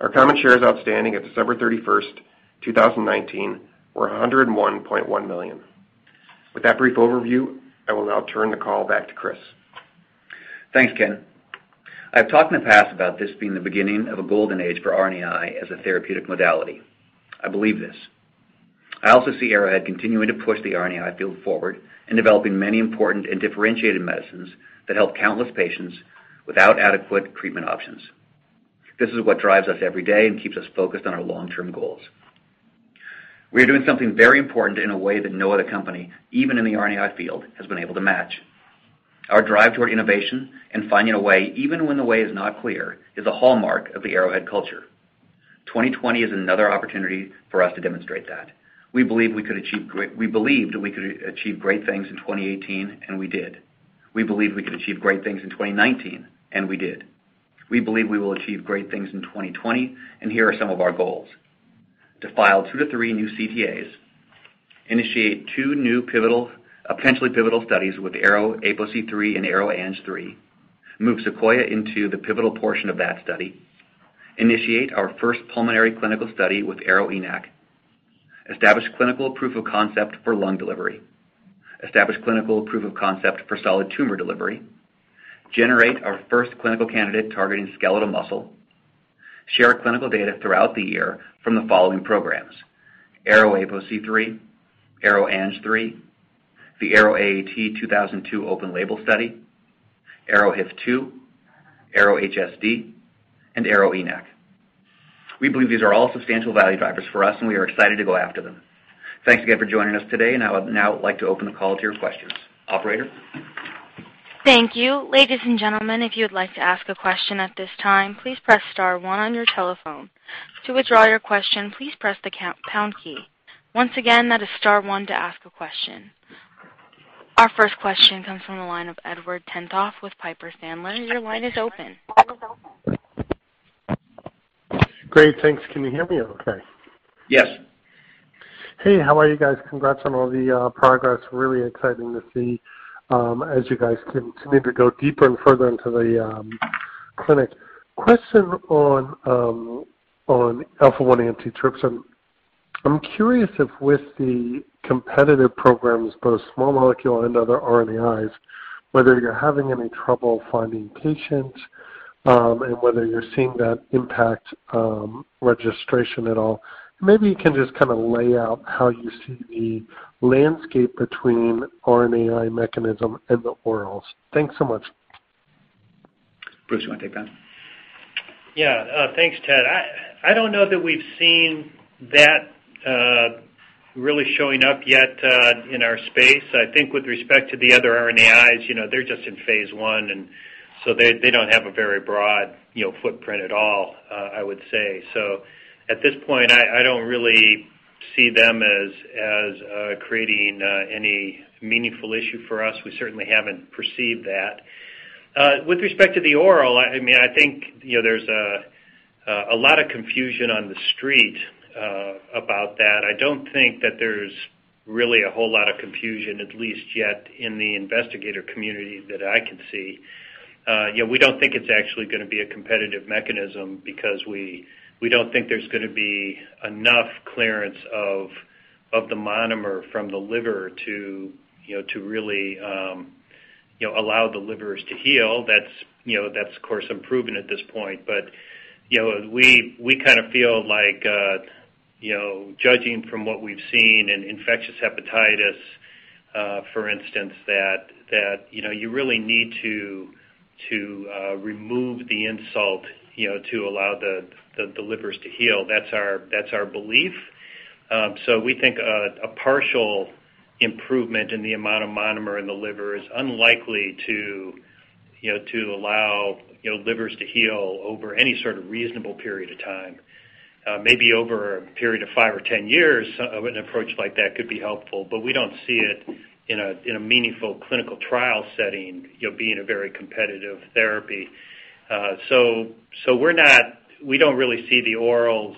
Our common shares outstanding at December 31st, 2019, were 101.1 million. With that brief overview, I will now turn the call back to Chris. Thanks, Ken. I've talked in the past about this being the beginning of a golden age for RNAi as a therapeutic modality. I believe this. I also see Arrowhead continuing to push the RNAi field forward and developing many important and differentiated medicines that help countless patients without adequate treatment options. This is what drives us every day and keeps us focused on our long-term goals. We are doing something very important in a way that no other company, even in the RNAi field, has been able to match. Our drive toward innovation and finding a way, even when the way is not clear, is a hallmark of the Arrowhead culture. 2020 is another opportunity for us to demonstrate that. We believed we could achieve great things in 2018, and we did. We believed we could achieve great things in 2019, and we did. We believe we will achieve great things in 2020. Here are some of our goals. To file two to three new CTAs, initiate two new potentially pivotal studies with ARO-APOC3 and ARO-ANG3, move SEQUOIA into the pivotal portion of that study, initiate our first pulmonary clinical study with ARO-ENaC, establish clinical proof of concept for lung delivery, establish clinical proof of concept for solid tumor delivery, generate our first clinical candidate targeting skeletal muscle, share our clinical data throughout the year from the following programs, ARO-APOC3, ARO-ANG3, the AROAAT2002 open-label study, ARO-HIF2, ARO-HSD, and ARO-ENaC. We believe these are all substantial value drivers for us, and we are excited to go after them. Thanks again for joining us today, and I would now like to open the call to your questions. Operator? Thank you. Ladies and gentlemen, if you'd like to ask a question at this time, please press star one on your telephone. To withdraw your question, please press the pound key. Once again, that is star one to ask a question. Our first question comes from the line of Edward Tenthoff with Piper Sandler. Your line is open. Great. Thanks. Can you hear me okay? Yes. Hey, how are you guys? Congrats on all the progress. Really exciting to see as you guys continue to go deeper and further into the clinic. Question on alpha-1 antitrypsin. I'm curious if with the competitive programs, both small molecule and other RNAs, whether you're having any trouble finding patients, and whether you're seeing that impact registration at all. Maybe you can just lay out how you see the landscape between RNAi mechanism and the orals. Thanks so much. Bruce, you want to take that? Yeah. Thanks, Ed. I don't know that we've seen that really showing up yet in our space. I think with respect to the other RNAs, they're just in phase I, and so they don't have a very broad footprint at all, I would say. At this point, I don't really see them as creating any meaningful issue for us. We certainly haven't perceived that. With respect to the oral, I think there's a lot of confusion on the street about that. I don't think that there's really a whole lot of confusion, at least yet, in the investigator community that I can see. We don't think it's actually going to be a competitive mechanism because we don't think there's going to be enough clearance of the monomer from the liver to really allow the livers to heal. That's of course unproven at this point. We feel like judging from what we've seen in infectious hepatitis, for instance, that you really need to remove the insult to allow the livers to heal. That's our belief. We think a partial improvement in the amount of monomer in the liver is unlikely to allow livers to heal over any sort of reasonable period of time. Maybe over a period of five or 10 years, an approach like that could be helpful, but we don't see it in a meaningful clinical trial setting being a very competitive therapy. We don't really see the orals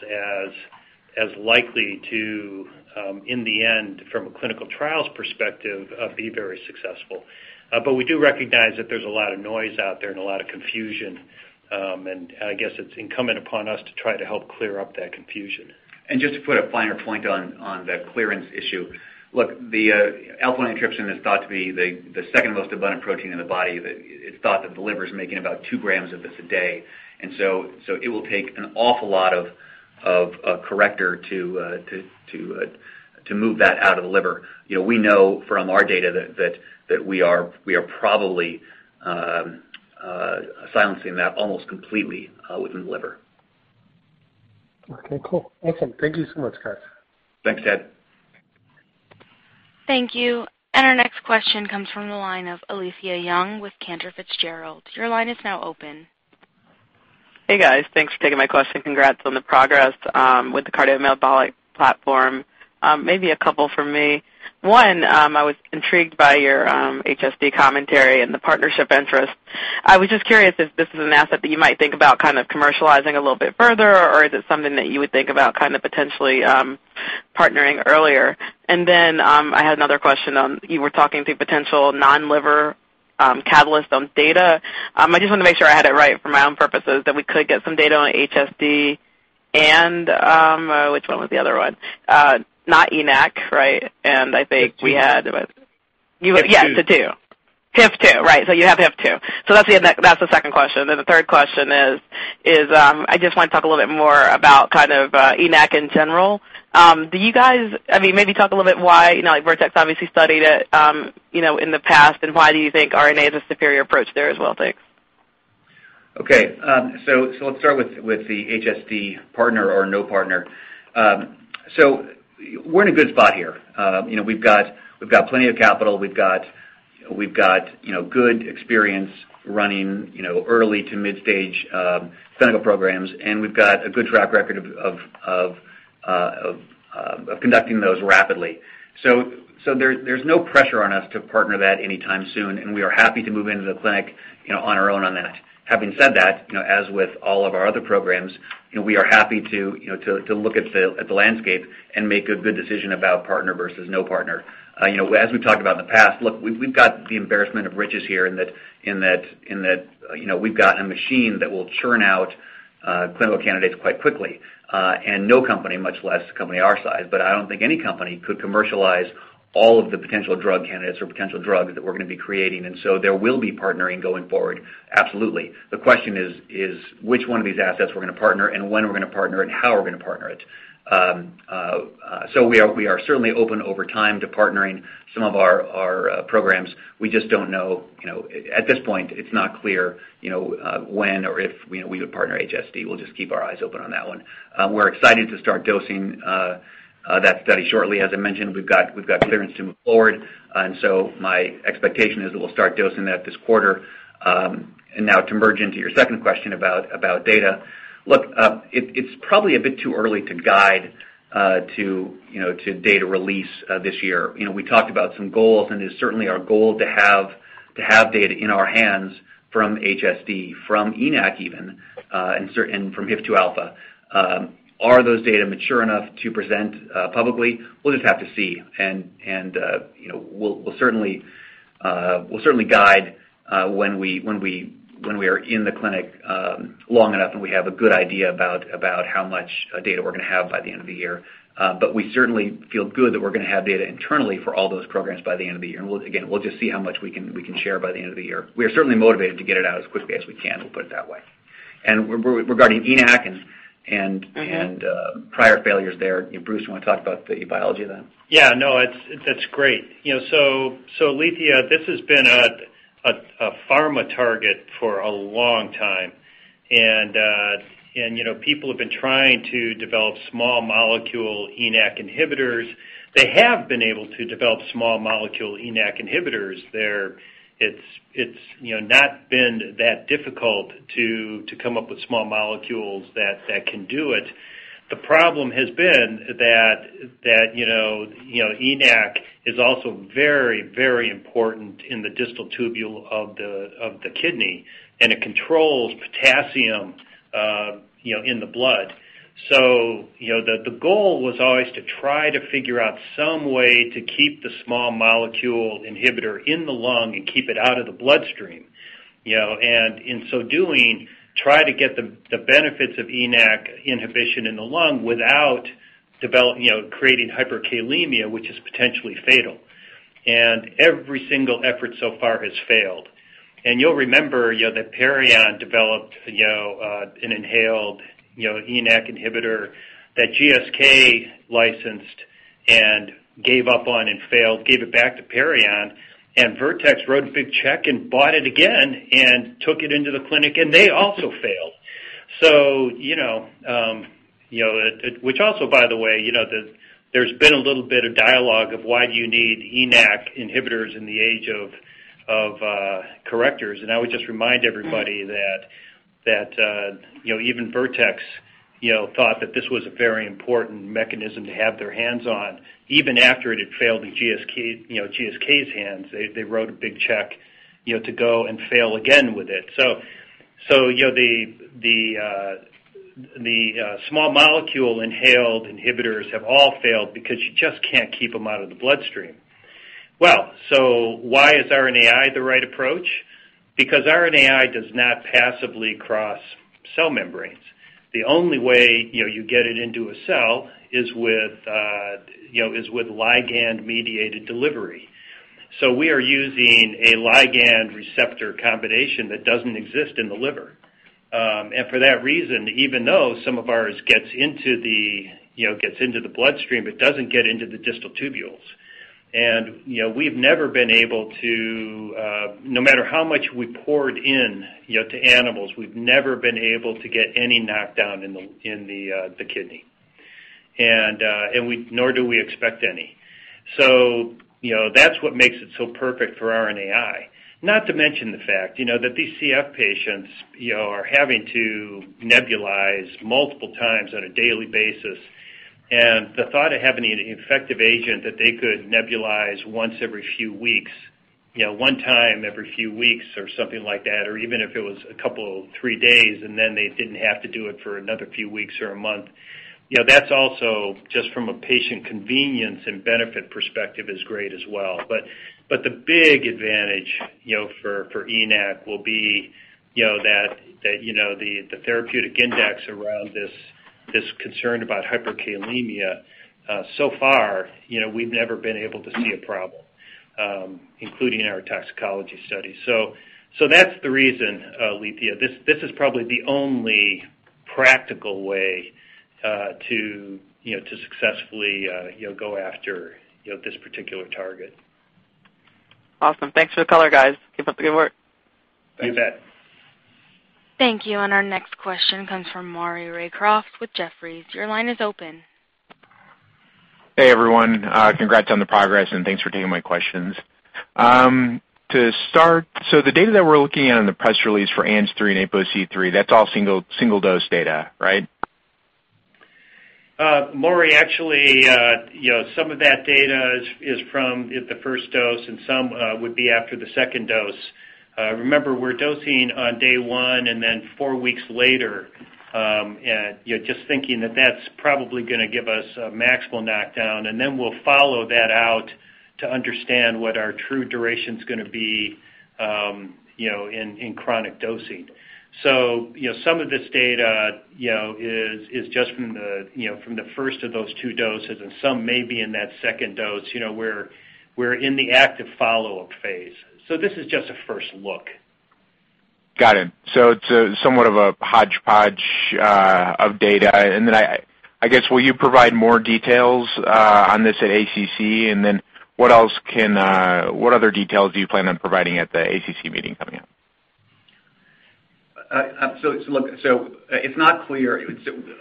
as likely to, in the end, from a clinical trials perspective, be very successful. We do recognize that there's a lot of noise out there and a lot of confusion. I guess it's incumbent upon us to try to help clear up that confusion. Just to put a finer point on that clearance issue, look, the alpha-1 antitrypsin is thought to be the second most abundant protein in the body. It's thought that the liver is making about two grams of this a day. It will take an awful lot of corrector to move that out of the liver. We know from our data that we are probably silencing that almost completely within the liver. Okay, cool. Awesome. Thank you so much, guys. Thanks, Ed. Thank you. Our next question comes from the line of Alethia Young with Cantor Fitzgerald. Your line is now open. Hey, guys. Thanks for taking my question. Congrats on the progress with the cardiometabolic platform. Maybe a couple from me. One, I was intrigued by your HSD commentary and the partnership interest. I was just curious if this is an asset that you might think about commercializing a little bit further, or is it something that you would think about potentially partnering earlier? I had another question on, you were talking to potential non-liver catalyst on data. I just wanted to make sure I had it right for my own purposes, that we could get some data on HSD and, which one was the other one? Not ENaC, right? HIF-2. Yeah, the two. HIF-2. Right. You have HIF-2. That's the second question. The third question is, I just want to talk a little bit more about ENaC in general. Maybe talk a little why Vertex obviously studied it in the past, and why do you think RNA is a superior approach there as well? Thanks. Okay. Let's start with the HSD partner or no partner. We're in a good spot here. We've got plenty of capital. We've got good experience running early to mid-stage clinical programs, and we've got a good track record of conducting those rapidly. There's no pressure on us to partner that anytime soon, and we are happy to move into the clinic on our own on that. Having said that, as with all of our other programs, we are happy to look at the landscape and make a good decision about partner versus no partner. As we've talked about in the past, look, we've got the embarrassment of riches here in that we've got a machine that will churn out clinical candidates quite quickly, no company, much less a company our size, but I don't think any company could commercialize all of the potential drug candidates or potential drugs that we're going to be creating. There will be partnering going forward, absolutely. The question is, which one of these assets we're going to partner and when we're going to partner and how we're going to partner it. We are certainly open over time to partnering some of our programs. We just don't know. At this point, it's not clear when or if we would partner HSD. We'll just keep our eyes open on that one. We're excited to start dosing that study shortly. As I mentioned, we've got clearance to move forward, my expectation is that we'll start dosing that this quarter. To merge into your second question about data. Look, it's probably a bit too early to guide to data release this year. We talked about some goals, it is certainly our goal to have data in our hands from HSD, from ENaC even, and from HIF-2 alpha. Are those data mature enough to present publicly? We'll just have to see, we'll certainly guide when we are in the clinic long enough and we have a good idea about how much data we're going to have by the end of the year. We certainly feel good that we're going to have data internally for all those programs by the end of the year. Again, we'll just see how much we can share by the end of the year. We are certainly motivated to get it out as quickly as we can, we'll put it that way. Regarding ENaC and prior failures there, Bruce, you want to talk about the biology of that? That's great. Alethia, this has been a pharma target for a long time, and people have been trying to develop small molecule ENaC inhibitors. They have been able to develop small molecule ENaC inhibitors. It's not been that difficult to come up with small molecules that can do it. The problem has been that ENaC is also very, very important in the distal tubule of the kidney, and it controls potassium in the blood. The goal was always to try to figure out some way to keep the small molecule inhibitor in the lung and keep it out of the bloodstream. In so doing, try to get the benefits of ENaC inhibition in the lung without creating hyperkalemia, which is potentially fatal. Every single effort so far has failed. You'll remember that Parion developed an inhaled ENaC inhibitor that GSK licensed and gave up on and failed, gave it back to Parion, and Vertex wrote a big check and bought it again and took it into the clinic, and they also failed. Also, by the way, there's been a little bit of dialogue of why do you need ENaC inhibitors in the age of correctors, and I would just remind everybody that even Vertex thought that this was a very important mechanism to have their hands on, even after it had failed in GSK's hands. They wrote a big check to go and fail again with it. The small molecule inhaled inhibitors have all failed because you just can't keep them out of the bloodstream. Well, why is RNAi the right approach? Because RNAi does not passively cross cell membranes. The only way you get it into a cell is with ligand-mediated delivery. We are using a ligand receptor combination that doesn't exist in the liver. For that reason, even though some of ours gets into the bloodstream, it doesn't get into the distal tubules. We've never been able to, no matter how much we poured in to animals, we've never been able to get any knockdown in the kidney. Nor do we expect any. That's what makes it so perfect for RNAi. Not to mention the fact that these CF patients are having to nebulize multiple times on a daily basis, the thought of having an effective agent that they could nebulize once every few weeks, one time every few weeks or something like that, or even if it was a couple, three days, then they didn't have to do it for another few weeks or a month. That's also just from a patient convenience and benefit perspective is great as well. The big advantage for ENaC will be that the therapeutic index around this concern about hyperkalemia, so far, we've never been able to see a problem, including our toxicology study. That's the reason, Alethia. This is probably the only practical way to successfully go after this particular target. Awesome. Thanks for the color, guys. Keep up the good work. You bet. Thank you. Our next question comes from Maury Raycroft with Jefferies. Your line is open. Hey, everyone. Congrats on the progress. Thanks for taking my questions. To start, the data that we're looking at in the press release for ARO-ANG3 and ARO-APOC3, that's all single dose data, right? Maury, actually, some of that data is from the first dose, and some would be after the second dose. Remember, we're dosing on day one and then four weeks later, just thinking that that's probably going to give us a maximal knockdown, and then we'll follow that out to understand what our true duration is going to be in chronic dosing. Some of this data is just from the first of those two doses, and some may be in that second dose. We're in the active follow-up phase. This is just a first look. Got it. It's somewhat of a hodgepodge of data. I guess, will you provide more details on this at ACC? What other details do you plan on providing at the ACC meeting coming up? Look, so it's not clear.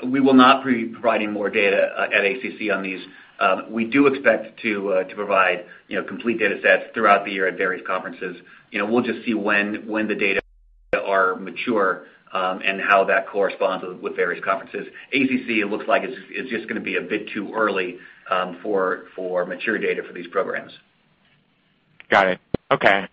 We will not be providing more data at ACC on these. We do expect to provide complete data sets throughout the year at various conferences. We'll just see when the data are mature and how that corresponds with various conferences. ACC, it looks like is just going to be a bit too early for mature data for these programs. Got it. Okay.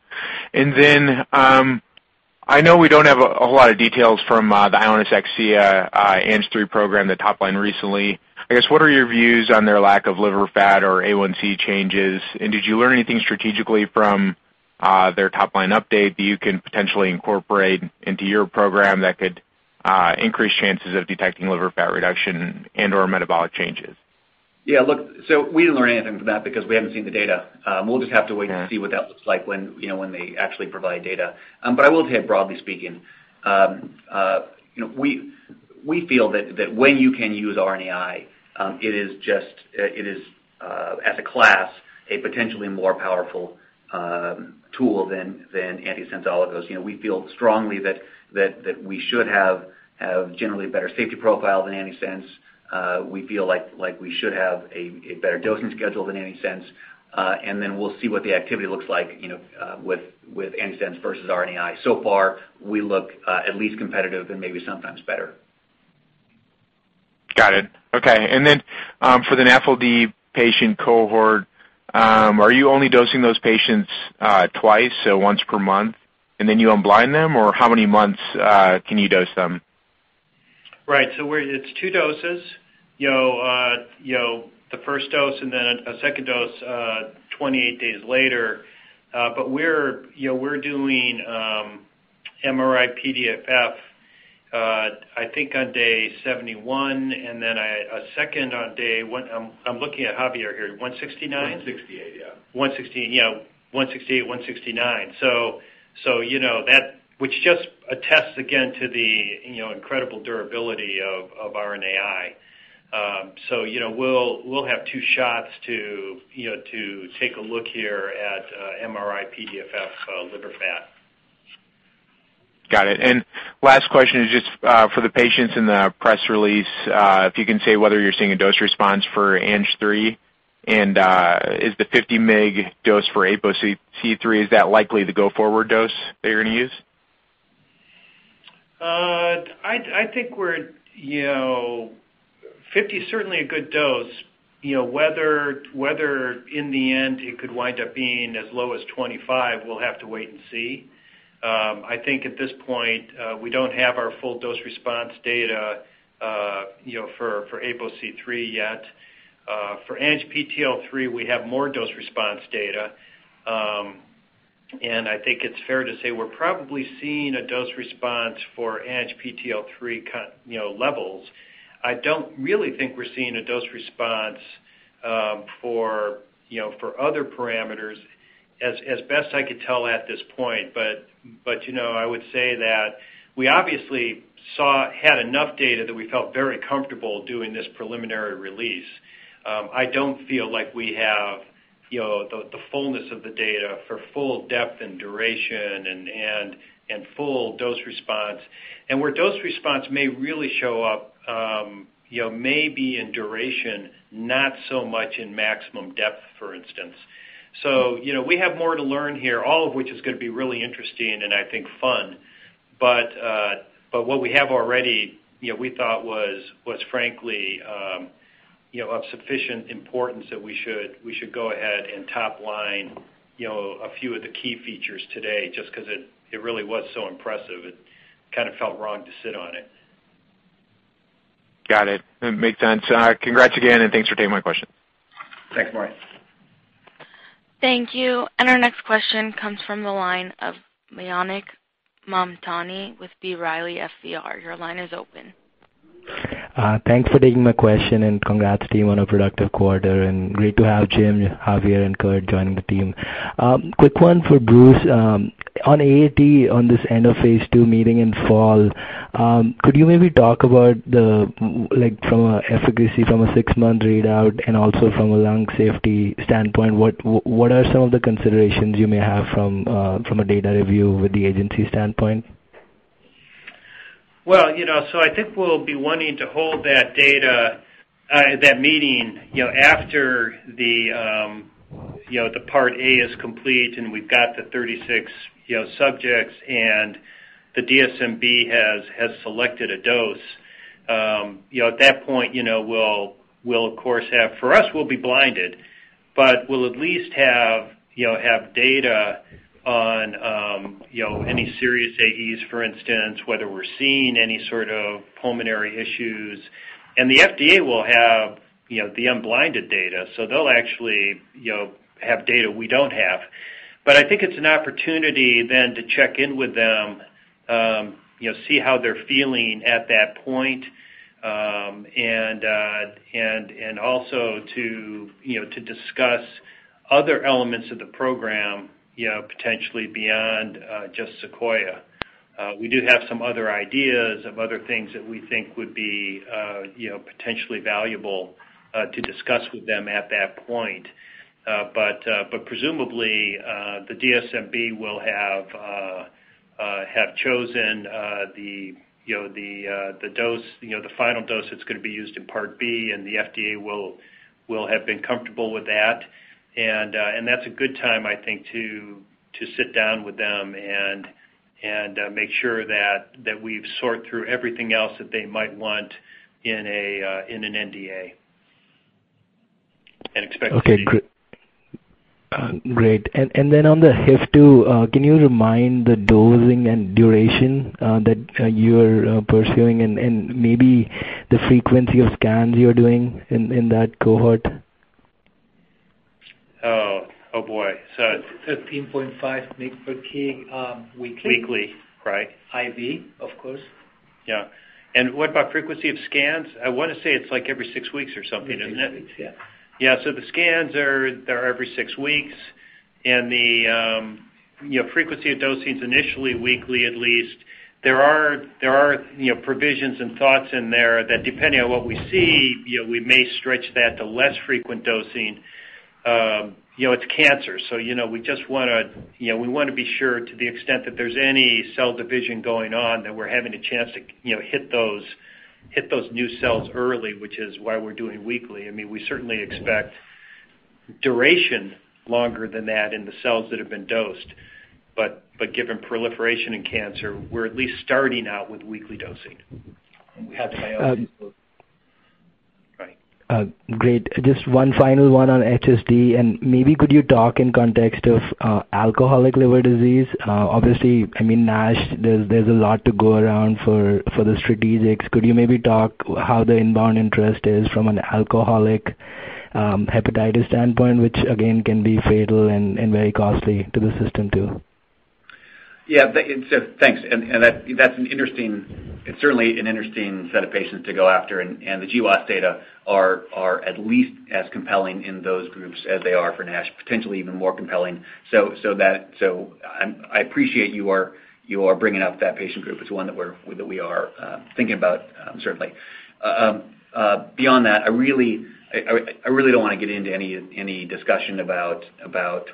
I know we don't have a whole lot of details from the Ionis-Akcea ANGPTL3 program, the top line recently. I guess, what are your views on their lack of liver fat or A1C changes? Did you learn anything strategically from their top-line update that you can potentially incorporate into your program that could increase chances of detecting liver fat reduction and/or metabolic changes? Yeah. Look, we didn't learn anything from that because we haven't seen the data. We'll just have to wait to see what that looks like when they actually provide data. I will tell you, broadly speaking, we feel that when you can use RNAi, it is as a class, a potentially more powerful tool than antisense oligos. We feel strongly that we should have generally a better safety profile than antisense. We feel like we should have a better dosing schedule than antisense. We'll see what the activity looks like with antisense versus RNAi. So far, we look at least competitive and maybe sometimes better. Got it. Okay. For the NAFLD patient cohort, are you only dosing those patients twice, so once per month, and then you unblind them? How many months can you dose them? Right. It's two doses, the first dose and then a second dose 28 days later. We're doing MRI-PDFF, I think on day 71, and then a second on day, I'm looking at Javier here, 169? 168, yeah. 168, 169. Just attests again to the incredible durability of RNAi. We'll have two shots to take a look here at MRI-PDFF liver fat. Got it. Last question is just for the patients in the press release, if you can say whether you're seeing a dose response for ANGPTL3, and is the 50 mg dose for APOC3, is that likely the go-forward dose that you're going to use? I think 50 is certainly a good dose. Whether in the end it could wind up being as low as 25, we'll have to wait and see. I think at this point, we don't have our full dose response data for APOC3 yet. For ANGPTL3, we have more dose response data. I think it's fair to say we're probably seeing a dose response for ANGPTL3 levels. I don't really think we're seeing a dose response for other parameters, as best I could tell at this point. I would say that we obviously had enough data that we felt very comfortable doing this preliminary release. I don't feel like we have the fullness of the data for full depth and duration and full dose response. Where dose response may really show up may be in duration, not so much in maximum depth, for instance. We have more to learn here, all of which is going to be really interesting and I think fun. What we have already, we thought was frankly, of sufficient importance that we should go ahead and top line a few of the key features today, just because it really was so impressive. It kind of felt wrong to sit on it. Got it. It makes sense. Congrats again. Thanks for taking my question. Thanks, Maury. Thank you. Our next question comes from the line of Mayank Mamtani with B. Riley FBR. Your line is open. Thanks for taking my question. Congrats to you on a productive quarter, and great to have Jim, Javier and Curt joining the team. Quick one for Bruce. On AAT on this end of phase II meeting in fall, could you maybe talk about from an efficacy from a six-month readout and also from a lung safety standpoint, what are some of the considerations you may have from a data review with the agency standpoint? Well, I think we'll be wanting to hold that meeting after the Part A is complete and we've got the 36 subjects, and the DSMB has selected a dose. At that point, we'll of course have for us, we'll be blinded, but we'll at least have data on any serious AEs, for instance, whether we're seeing any sort of pulmonary issues. The FDA will have the unblinded data, they'll actually have data we don't have. I think it's an opportunity to check in with them, see how they're feeling at that point. Also to discuss other elements of the program, potentially beyond just SEQUOIA. We do have some other ideas of other things that we think would be potentially valuable to discuss with them at that point. Presumably, the DSMB will have chosen the final dose that's going to be used in part B, and the FDA will have been comfortable with that. That's a good time, I think, to sit down with them and make sure that we've sorted through everything else that they might want in an NDA. Expect to see- On the HIF2, can you remind the dosing and duration that you are pursuing and maybe the frequency of scans you're doing in that cohort? Oh, boy. 13.5 mg/kg weekly. Weekly. Right. IV, of course. Yeah. What about frequency of scans? I want to say it's every six weeks or something, isn't it? Six weeks, yeah. The scans are every six weeks, and the frequency of dosing is initially weekly, at least. There are provisions and thoughts in there that depending on what we see, we may stretch that to less frequent dosing. It's cancer, we want to be sure to the extent that there's any cell division going on, that we're having a chance to hit those new cells early, which is why we're doing weekly. We certainly expect duration longer than that in the cells that have been dosed. Given proliferation in cancer, we're at least starting out with weekly dosing. We have the biopsies, too. Right. Great. Just one final one on HSD, maybe could you talk in context of alcoholic liver disease? Obviously, NASH, there's a lot to go around for the strategics. Could you maybe talk how the inbound interest is from an alcoholic hepatitis standpoint, which again, can be fatal and very costly to the system, too? Yeah, thanks. It's certainly an interesting set of patients to go after, and the GWAS data are at least as compelling in those groups as they are for NASH, potentially even more compelling. I appreciate you are bringing up that patient group. It's one that we are thinking about, certainly. Beyond that, I really don't want to get into any discussion about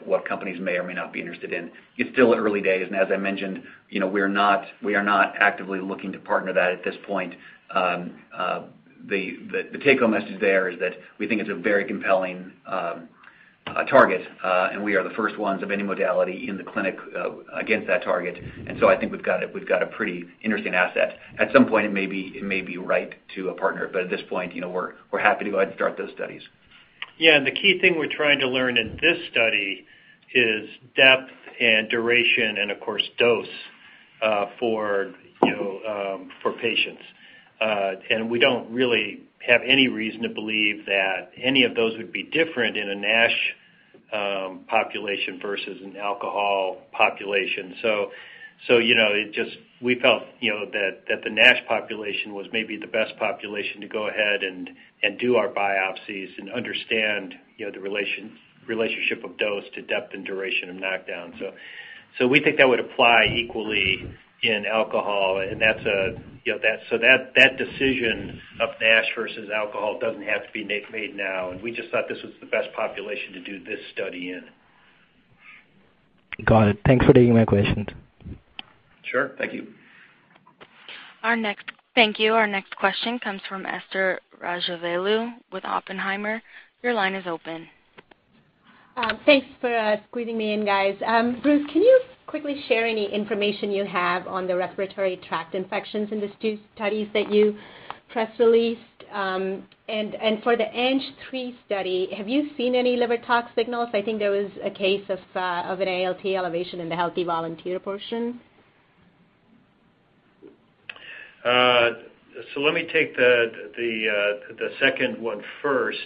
what companies may or may not be interested in. It's still early days, and as I mentioned, we are not actively looking to partner that at this point. The take-home message there is that we think it's a very compelling target, we are the first ones of any modality in the clinic against that target. I think we've got a pretty interesting asset. At some point, it may be right to a partner, but at this point, we're happy to go ahead and start those studies. The key thing we're trying to learn in this study is depth and duration and of course, dose for patients. We don't really have any reason to believe that any of those would be different in a NASH population versus an alcohol population. We felt that the NASH population was maybe the best population to go ahead and do our biopsies and understand the relationship of dose to depth and duration of knockdown. We think that would apply equally in alcohol. That decision of NASH versus alcohol doesn't have to be made now, and we just thought this was the best population to do this study in. Got it. Thanks for taking my questions. Sure. Thank you. Thank you. Our next question comes from Esther Rajavelu with Oppenheimer. Your line is open. Thanks for squeezing me in, guys. Bruce, can you quickly share any information you have on the respiratory tract infections in the studies that you press released? For the ANG3 study, have you seen any liver tox signals? I think there was a case of an ALT elevation in the healthy volunteer portion. Let me take the second one first.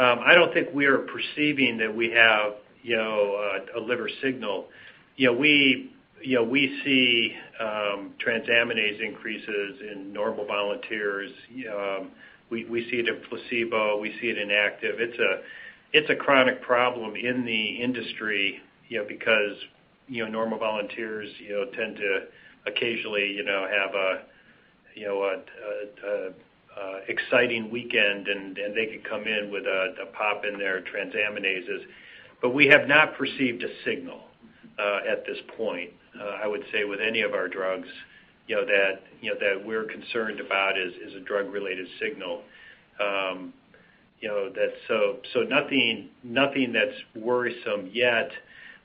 I don't think we are perceiving that we have a liver signal. We see transaminase increases in normal volunteers. We see it in placebo. We see it in active. It's a chronic problem in the industry, because normal volunteers tend to occasionally have an exciting weekend, and they could come in with a pop in their transaminases. We have not perceived a signal at this point, I would say, with any of our drugs, that we're concerned about is a drug-related signal. Nothing that's worrisome yet.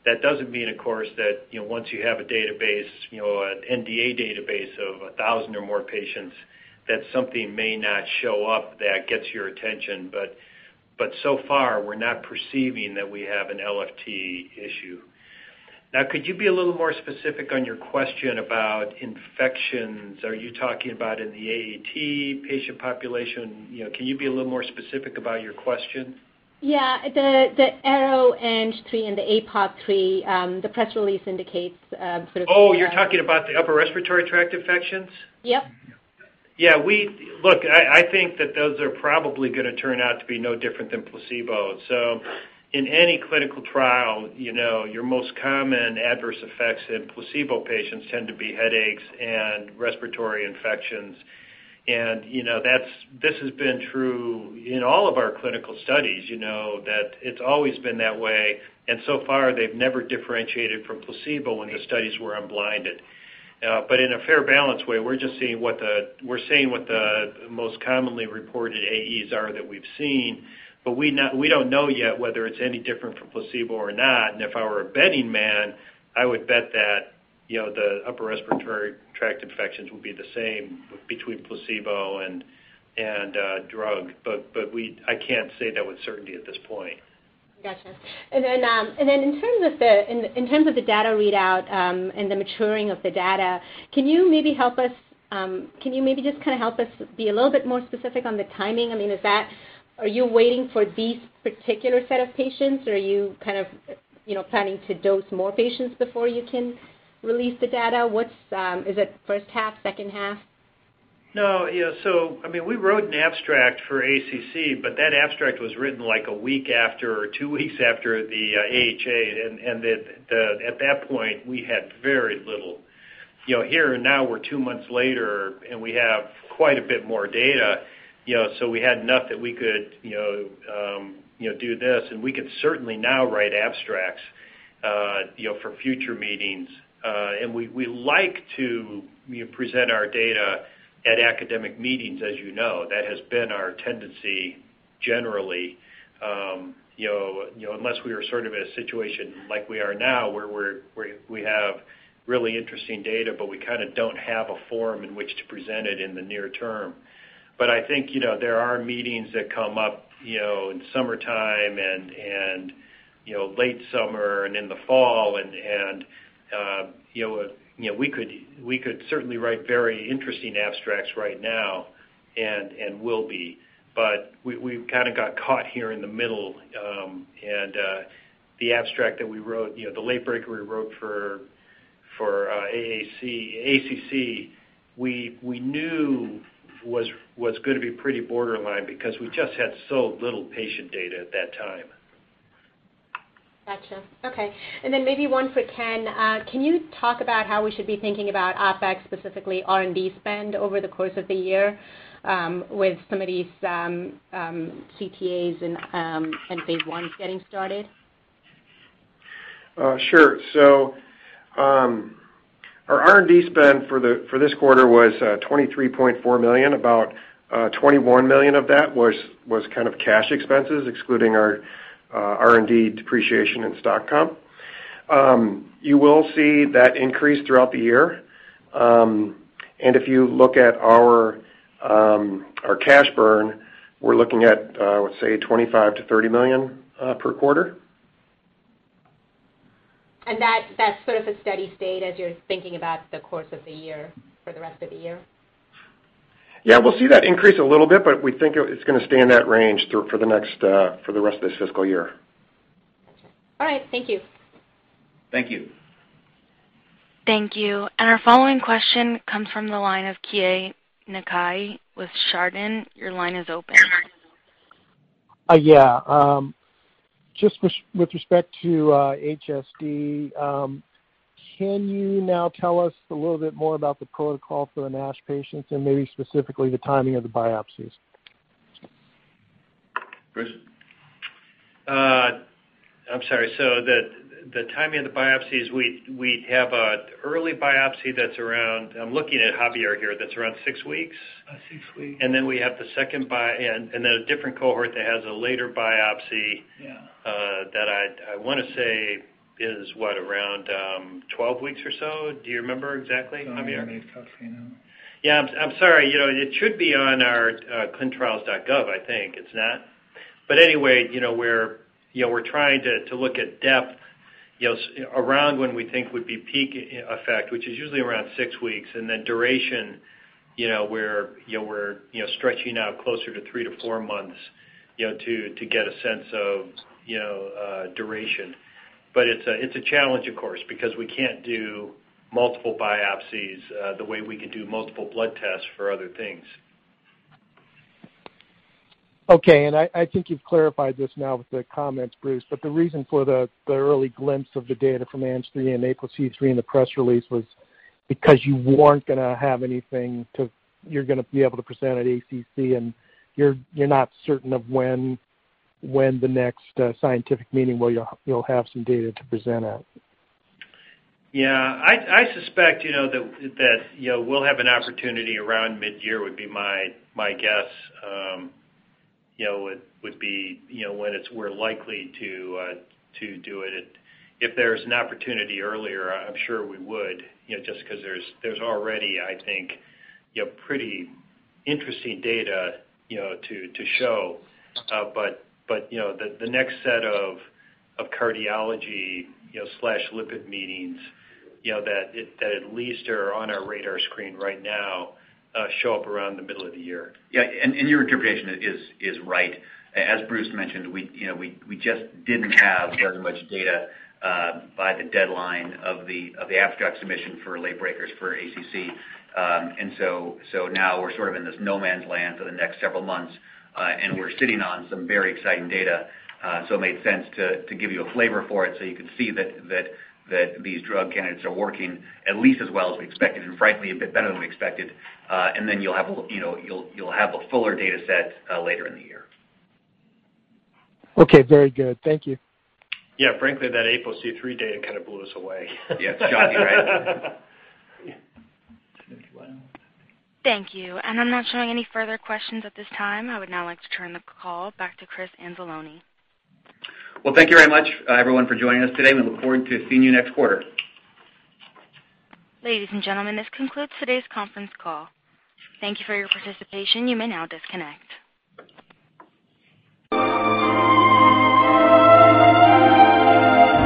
That doesn't mean, of course, that once you have a database, an NDA database of 1,000 or more patients, that something may not show up that gets your attention. So far, we're not perceiving that we have an LFT issue. Could you be a little more specific on your question about infections? Are you talking about in the AAT patient population? Can you be a little more specific about your question? Yeah. The ARO-ANG3 and the APOC3, the press release indicates. Oh, you're talking about the upper respiratory tract infections? Yep. Look, I think that those are probably going to turn out to be no different than placebo. In any clinical trial, your most common adverse effects in placebo patients tend to be headaches and respiratory infections. This has been true in all of our clinical studies, that it's always been that way. So far, they've never differentiated from placebo when the studies were unblinded. In a fair balance way, we're just seeing what the most commonly reported AEs are that we've seen. We don't know yet whether it's any different from placebo or not. If I were a betting man, I would bet that the upper respiratory tract infections will be the same between placebo and drug. I can't say that with certainty at this point. Gotcha. Then, in terms of the data readout, and the maturing of the data, can you maybe just kind of help us be a little bit more specific on the timing? Are you waiting for these particular set of patients, or are you planning to dose more patients before you can release the data? Is it first half, second half? No. We wrote an abstract for ACC, but that abstract was written a week after or two weeks after the AHA, and at that point, we had very little. Here and now we're two months later, and we have quite a bit more data, so we had enough that we could do this and we could certainly now write abstracts for future meetings. We like to present our data at academic meetings as you know. That has been our tendency generally, unless we are sort of in a situation like we are now where we have really interesting data, but we kind of don't have a forum in which to present it in the near term. I think there are meetings that come up in summertime and late summer and in the fall. We could certainly write very interesting abstracts right now and will be. We kind of got caught here in the middle. The abstract that we wrote, the late-breaker we wrote for ACC, we knew was going to be pretty borderline because we just had so little patient data at that time. Gotcha. Okay. Maybe one for Ken. Can you talk about how we should be thinking about OpEx, specifically R&D spend over the course of the year with some of these CTAs and phase I's getting started? Sure. Our R&D spend for this quarter was $23.4 million. About $21 million of that was kind of cash expenses, excluding our R&D depreciation and stock comp. You will see that increase throughout the year. If you look at our cash burn, we're looking at, let's say, $25 million-$30 million per quarter. That's sort of a steady state as you're thinking about the course of the year for the rest of the year? Yeah, we'll see that increase a little bit, but we think it's going to stay in that range for the rest of this fiscal year. All right. Thank you. Thank you. Thank you. Our following question comes from the line of Keay Nakae with Chardan. Your line is open. Just with respect to HSD, can you now tell us a little bit more about the protocol for the NASH patients and maybe specifically the timing of the biopsies? Chris. I'm sorry. The timing of the biopsies, we have an early biopsy that's around, I'm looking at Javier here, that's around six weeks. Six weeks. We have a different cohort that has a later biopsy- Yeah. That I want to say is what? Around 12 weeks or so. Do you remember exactly, Javier? I don't have any copy now. Yeah. I'm sorry. It should be on our ClinicalTrials.gov, I think. It's not. Anyway, we're trying to look at depth around when we think would be peak effect, which is usually around six weeks, and then duration, where we're stretching out closer to three to four months to get a sense of duration. It's a challenge, of course, because we can't do multiple biopsies the way we can do multiple blood tests for other things. Okay. I think you've clarified this now with the comments, Bruce, the reason for the early glimpse of the data from ANG3 and APOC3 in the press release was because you weren't going to have anything you're going to be able to present at ACC, and you're not certain of when the next scientific meeting where you'll have some data to present at. Yeah. I suspect that we'll have an opportunity around mid-year would be my guess, would be when we're likely to do it. If there's an opportunity earlier, I'm sure we would, just because there's already, I think, pretty interesting data to show. The next set of cardiology/lipid meetings that at least are on our radar screen right now show up around the middle of the year. Yeah. Your interpretation is right. As Bruce mentioned, we just didn't have very much data by the deadline of the abstract submission for late breakers for ACC. Now we're sort of in this no man's land for the next several months. We're sitting on some very exciting data, so it made sense to give you a flavor for it so you could see that these drug candidates are working at least as well as we expected, and frankly, a bit better than we expected. You'll have a fuller data set later in the year. Okay. Very good. Thank you. Yeah. Frankly, that APOC3 data kind of blew us away. Yeah. It shocked me, right? Thank you. I'm not showing any further questions at this time. I would now like to turn the call back to Chris Anzalone. Thank you very much, everyone, for joining us today. We look forward to seeing you next quarter. Ladies and gentlemen, this concludes today's conference call. Thank you for your participation. You may now disconnect.